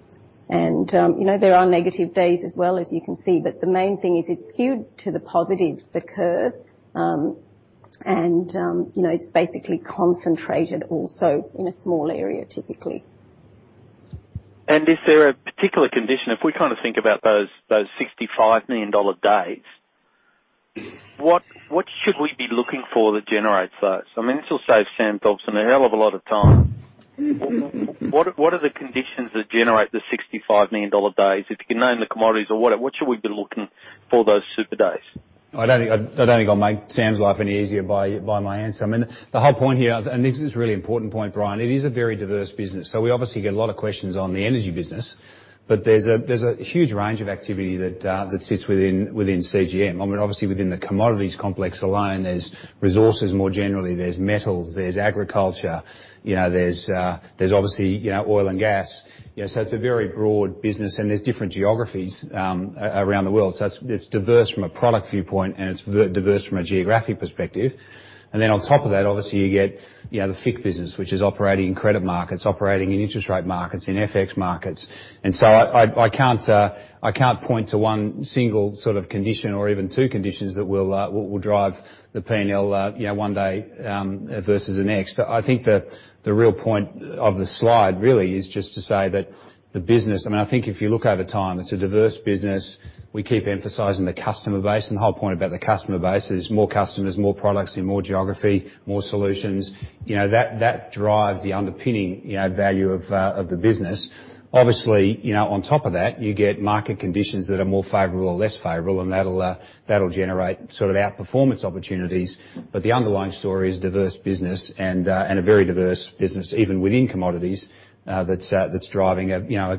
know, there are negative days as well, as you can see, but the main thing is it's skewed to the positive, the curve. You know, it's basically concentrated also in a small area, typically. Is there a particular condition? If we kinda think about those $65 million days. What should we be looking for that generates those? I mean, this will save Sam Dobson a hell of a lot of time. What are the conditions that generate the $65 million days? If you can name the commodities or what should we be looking for those super days? I don't think I'll make Sam's life any easier by my answer. I mean, the whole point here, this is a really important point, Brian. It is a very diverse business. We obviously get a lot of questions on the energy business, but there's a huge range of activity that sits within CGM. I mean, obviously within the commodities complex alone, there's resources more generally, there's metals, there's agriculture, you know, there's obviously oil and gas. You know, it's a very broad business, and there's different geographies around the world. It's diverse from a product viewpoint, and it's very diverse from a geographic perspective. On top of that, obviously you get, you know, the FICC business, which is operating in credit markets, operating in interest rate markets, in FX markets. I can't point to one single sort of condition or even two conditions that will drive the P&L, you know, one day versus the next. I think the real point of the slide really is just to say that the business. I mean, I think if you look over time, it's a diverse business. We keep emphasizing the customer base, and the whole point about the customer base is more customers, more products in more geography, more solutions. You know, that drives the underpinning, you know, value of the business. Obviously, you know, on top of that, you get market conditions that are more favorable or less favorable, and that'll generate sort of outperformance opportunities. The underlying story is diverse business and a very diverse business, even within commodities, that's driving a, you know,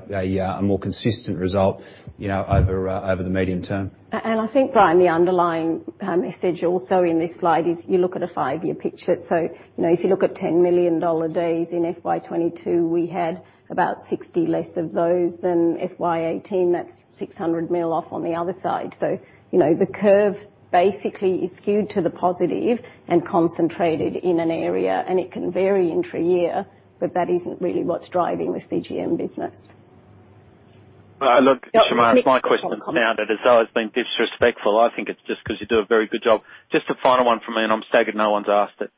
a more consistent result, you know, over the medium term. I think, Brian, the underlying message also in this slide is you look at a five-year picture. You know, if you look at 10 million dollar days in FY 2022, we had about 60 less of those than FY 2018. That's 600 million off on the other side. You know, the curve basically is skewed to the positive and concentrated in an area, and it can vary intra-year, but that isn't really what's driving the CGM business. Look, Shemara, my question now that has always been disrespectful, I think it's just 'cause you do a very good job. Just a final one from me, and I'm staggered no one's asked it.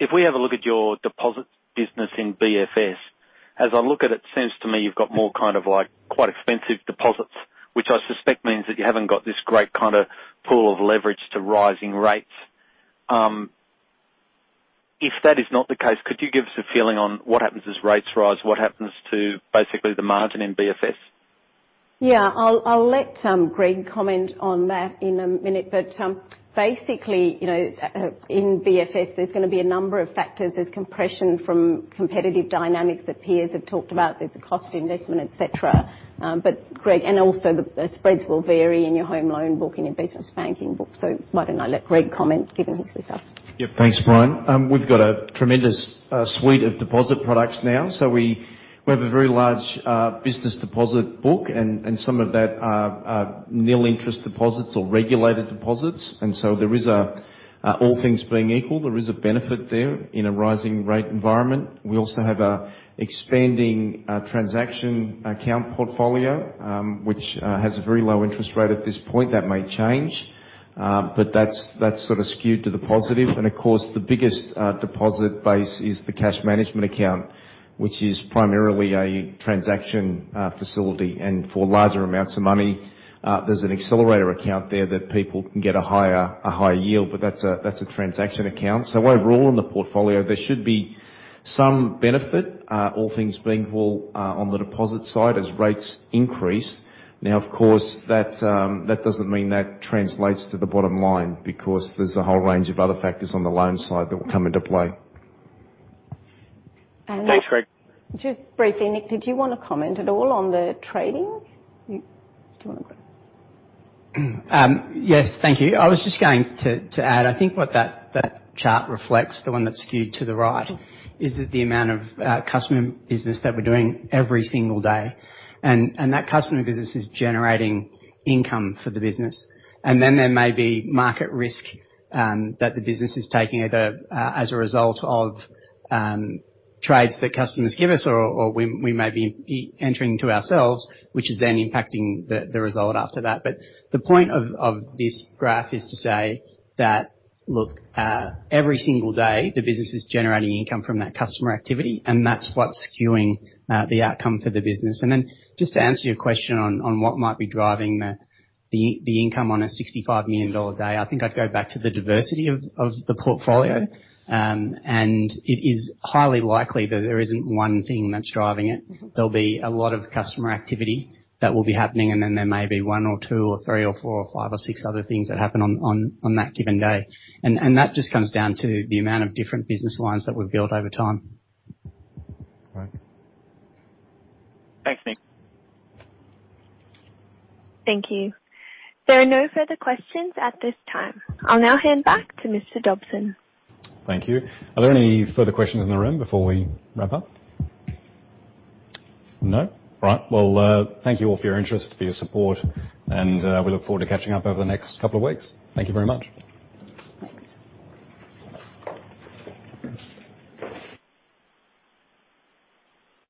If we have a look at your deposits business in BFS, as I look at it seems to me you've got more kind of like quite expensive deposits, which I suspect means that you haven't got this great kinda pool of leverage to rising rates. If that is not the case, could you give us a feeling on what happens as rates rise? What happens to basically the margin in BFS? Yeah. I'll let Greg comment on that in a minute. Basically, you know, in BFS, there's gonna be a number of factors. There's compression from competitive dynamics that peers have talked about. There's a cost investment, et cetera. But Greg. Also the spreads will vary in your home loan book and your business banking book. Why don't I let Greg comment, given he's with us? Yeah. Thanks, Brian. We've got a tremendous suite of deposit products now. We have a very large business deposit book, and some of that are nil interest deposits or regulated deposits. There is a, all things being equal, there is a benefit there in a rising rate environment. We also have a expanding transaction account portfolio, which has a very low interest rate at this point. That may change, but that's sort of skewed to the positive. Of course, the biggest deposit base is the cash management account, which is primarily a transaction facility. For larger amounts of money, there's an accelerator account there that people can get a higher yield, but that's a transaction account. Overall, in the portfolio, there should be some benefit, all things being equal, on the deposit side as rates increase. Now, of course, that doesn't mean that translates to the bottom line because there's a whole range of other factors on the loan side that will come into play. Thanks, Greg. Just briefly, Nick, did you wanna comment at all on the trading? Do you wanna go? Yes. Thank you. I was just going to add, I think what that chart reflects, the one that's skewed to the right. Is that the amount of customer business that we're doing every single day. That customer business is generating income for the business. Then there may be market risk that the business is taking either as a result of trades that customers give us or we may be entering into ourselves, which is then impacting the result after that. The point of this graph is to say that, look, every single day the business is generating income from that customer activity, and that's what's skewing the outcome for the business. Then just to answer your question on what might be driving the income on a 65 million dollar day, I think I'd go back to the diversity of the portfolio. It is highly likely that there isn't one thing that's driving it. Mm-hmm. There'll be a lot of customer activity that will be happening, and then there may be one or two or three or four or five or six other things that happen on that given day. That just comes down to the amount of different business lines that we've built over time. Great. Thanks, Nick. Thank you. There are no further questions at this time. I'll now hand back to Mr. Dobson. Thank you. Are there any further questions in the room before we wrap up? No? All right. Well, thank you all for your interest, for your support, and, we look forward to catching up over the next couple of weeks. Thank you very much.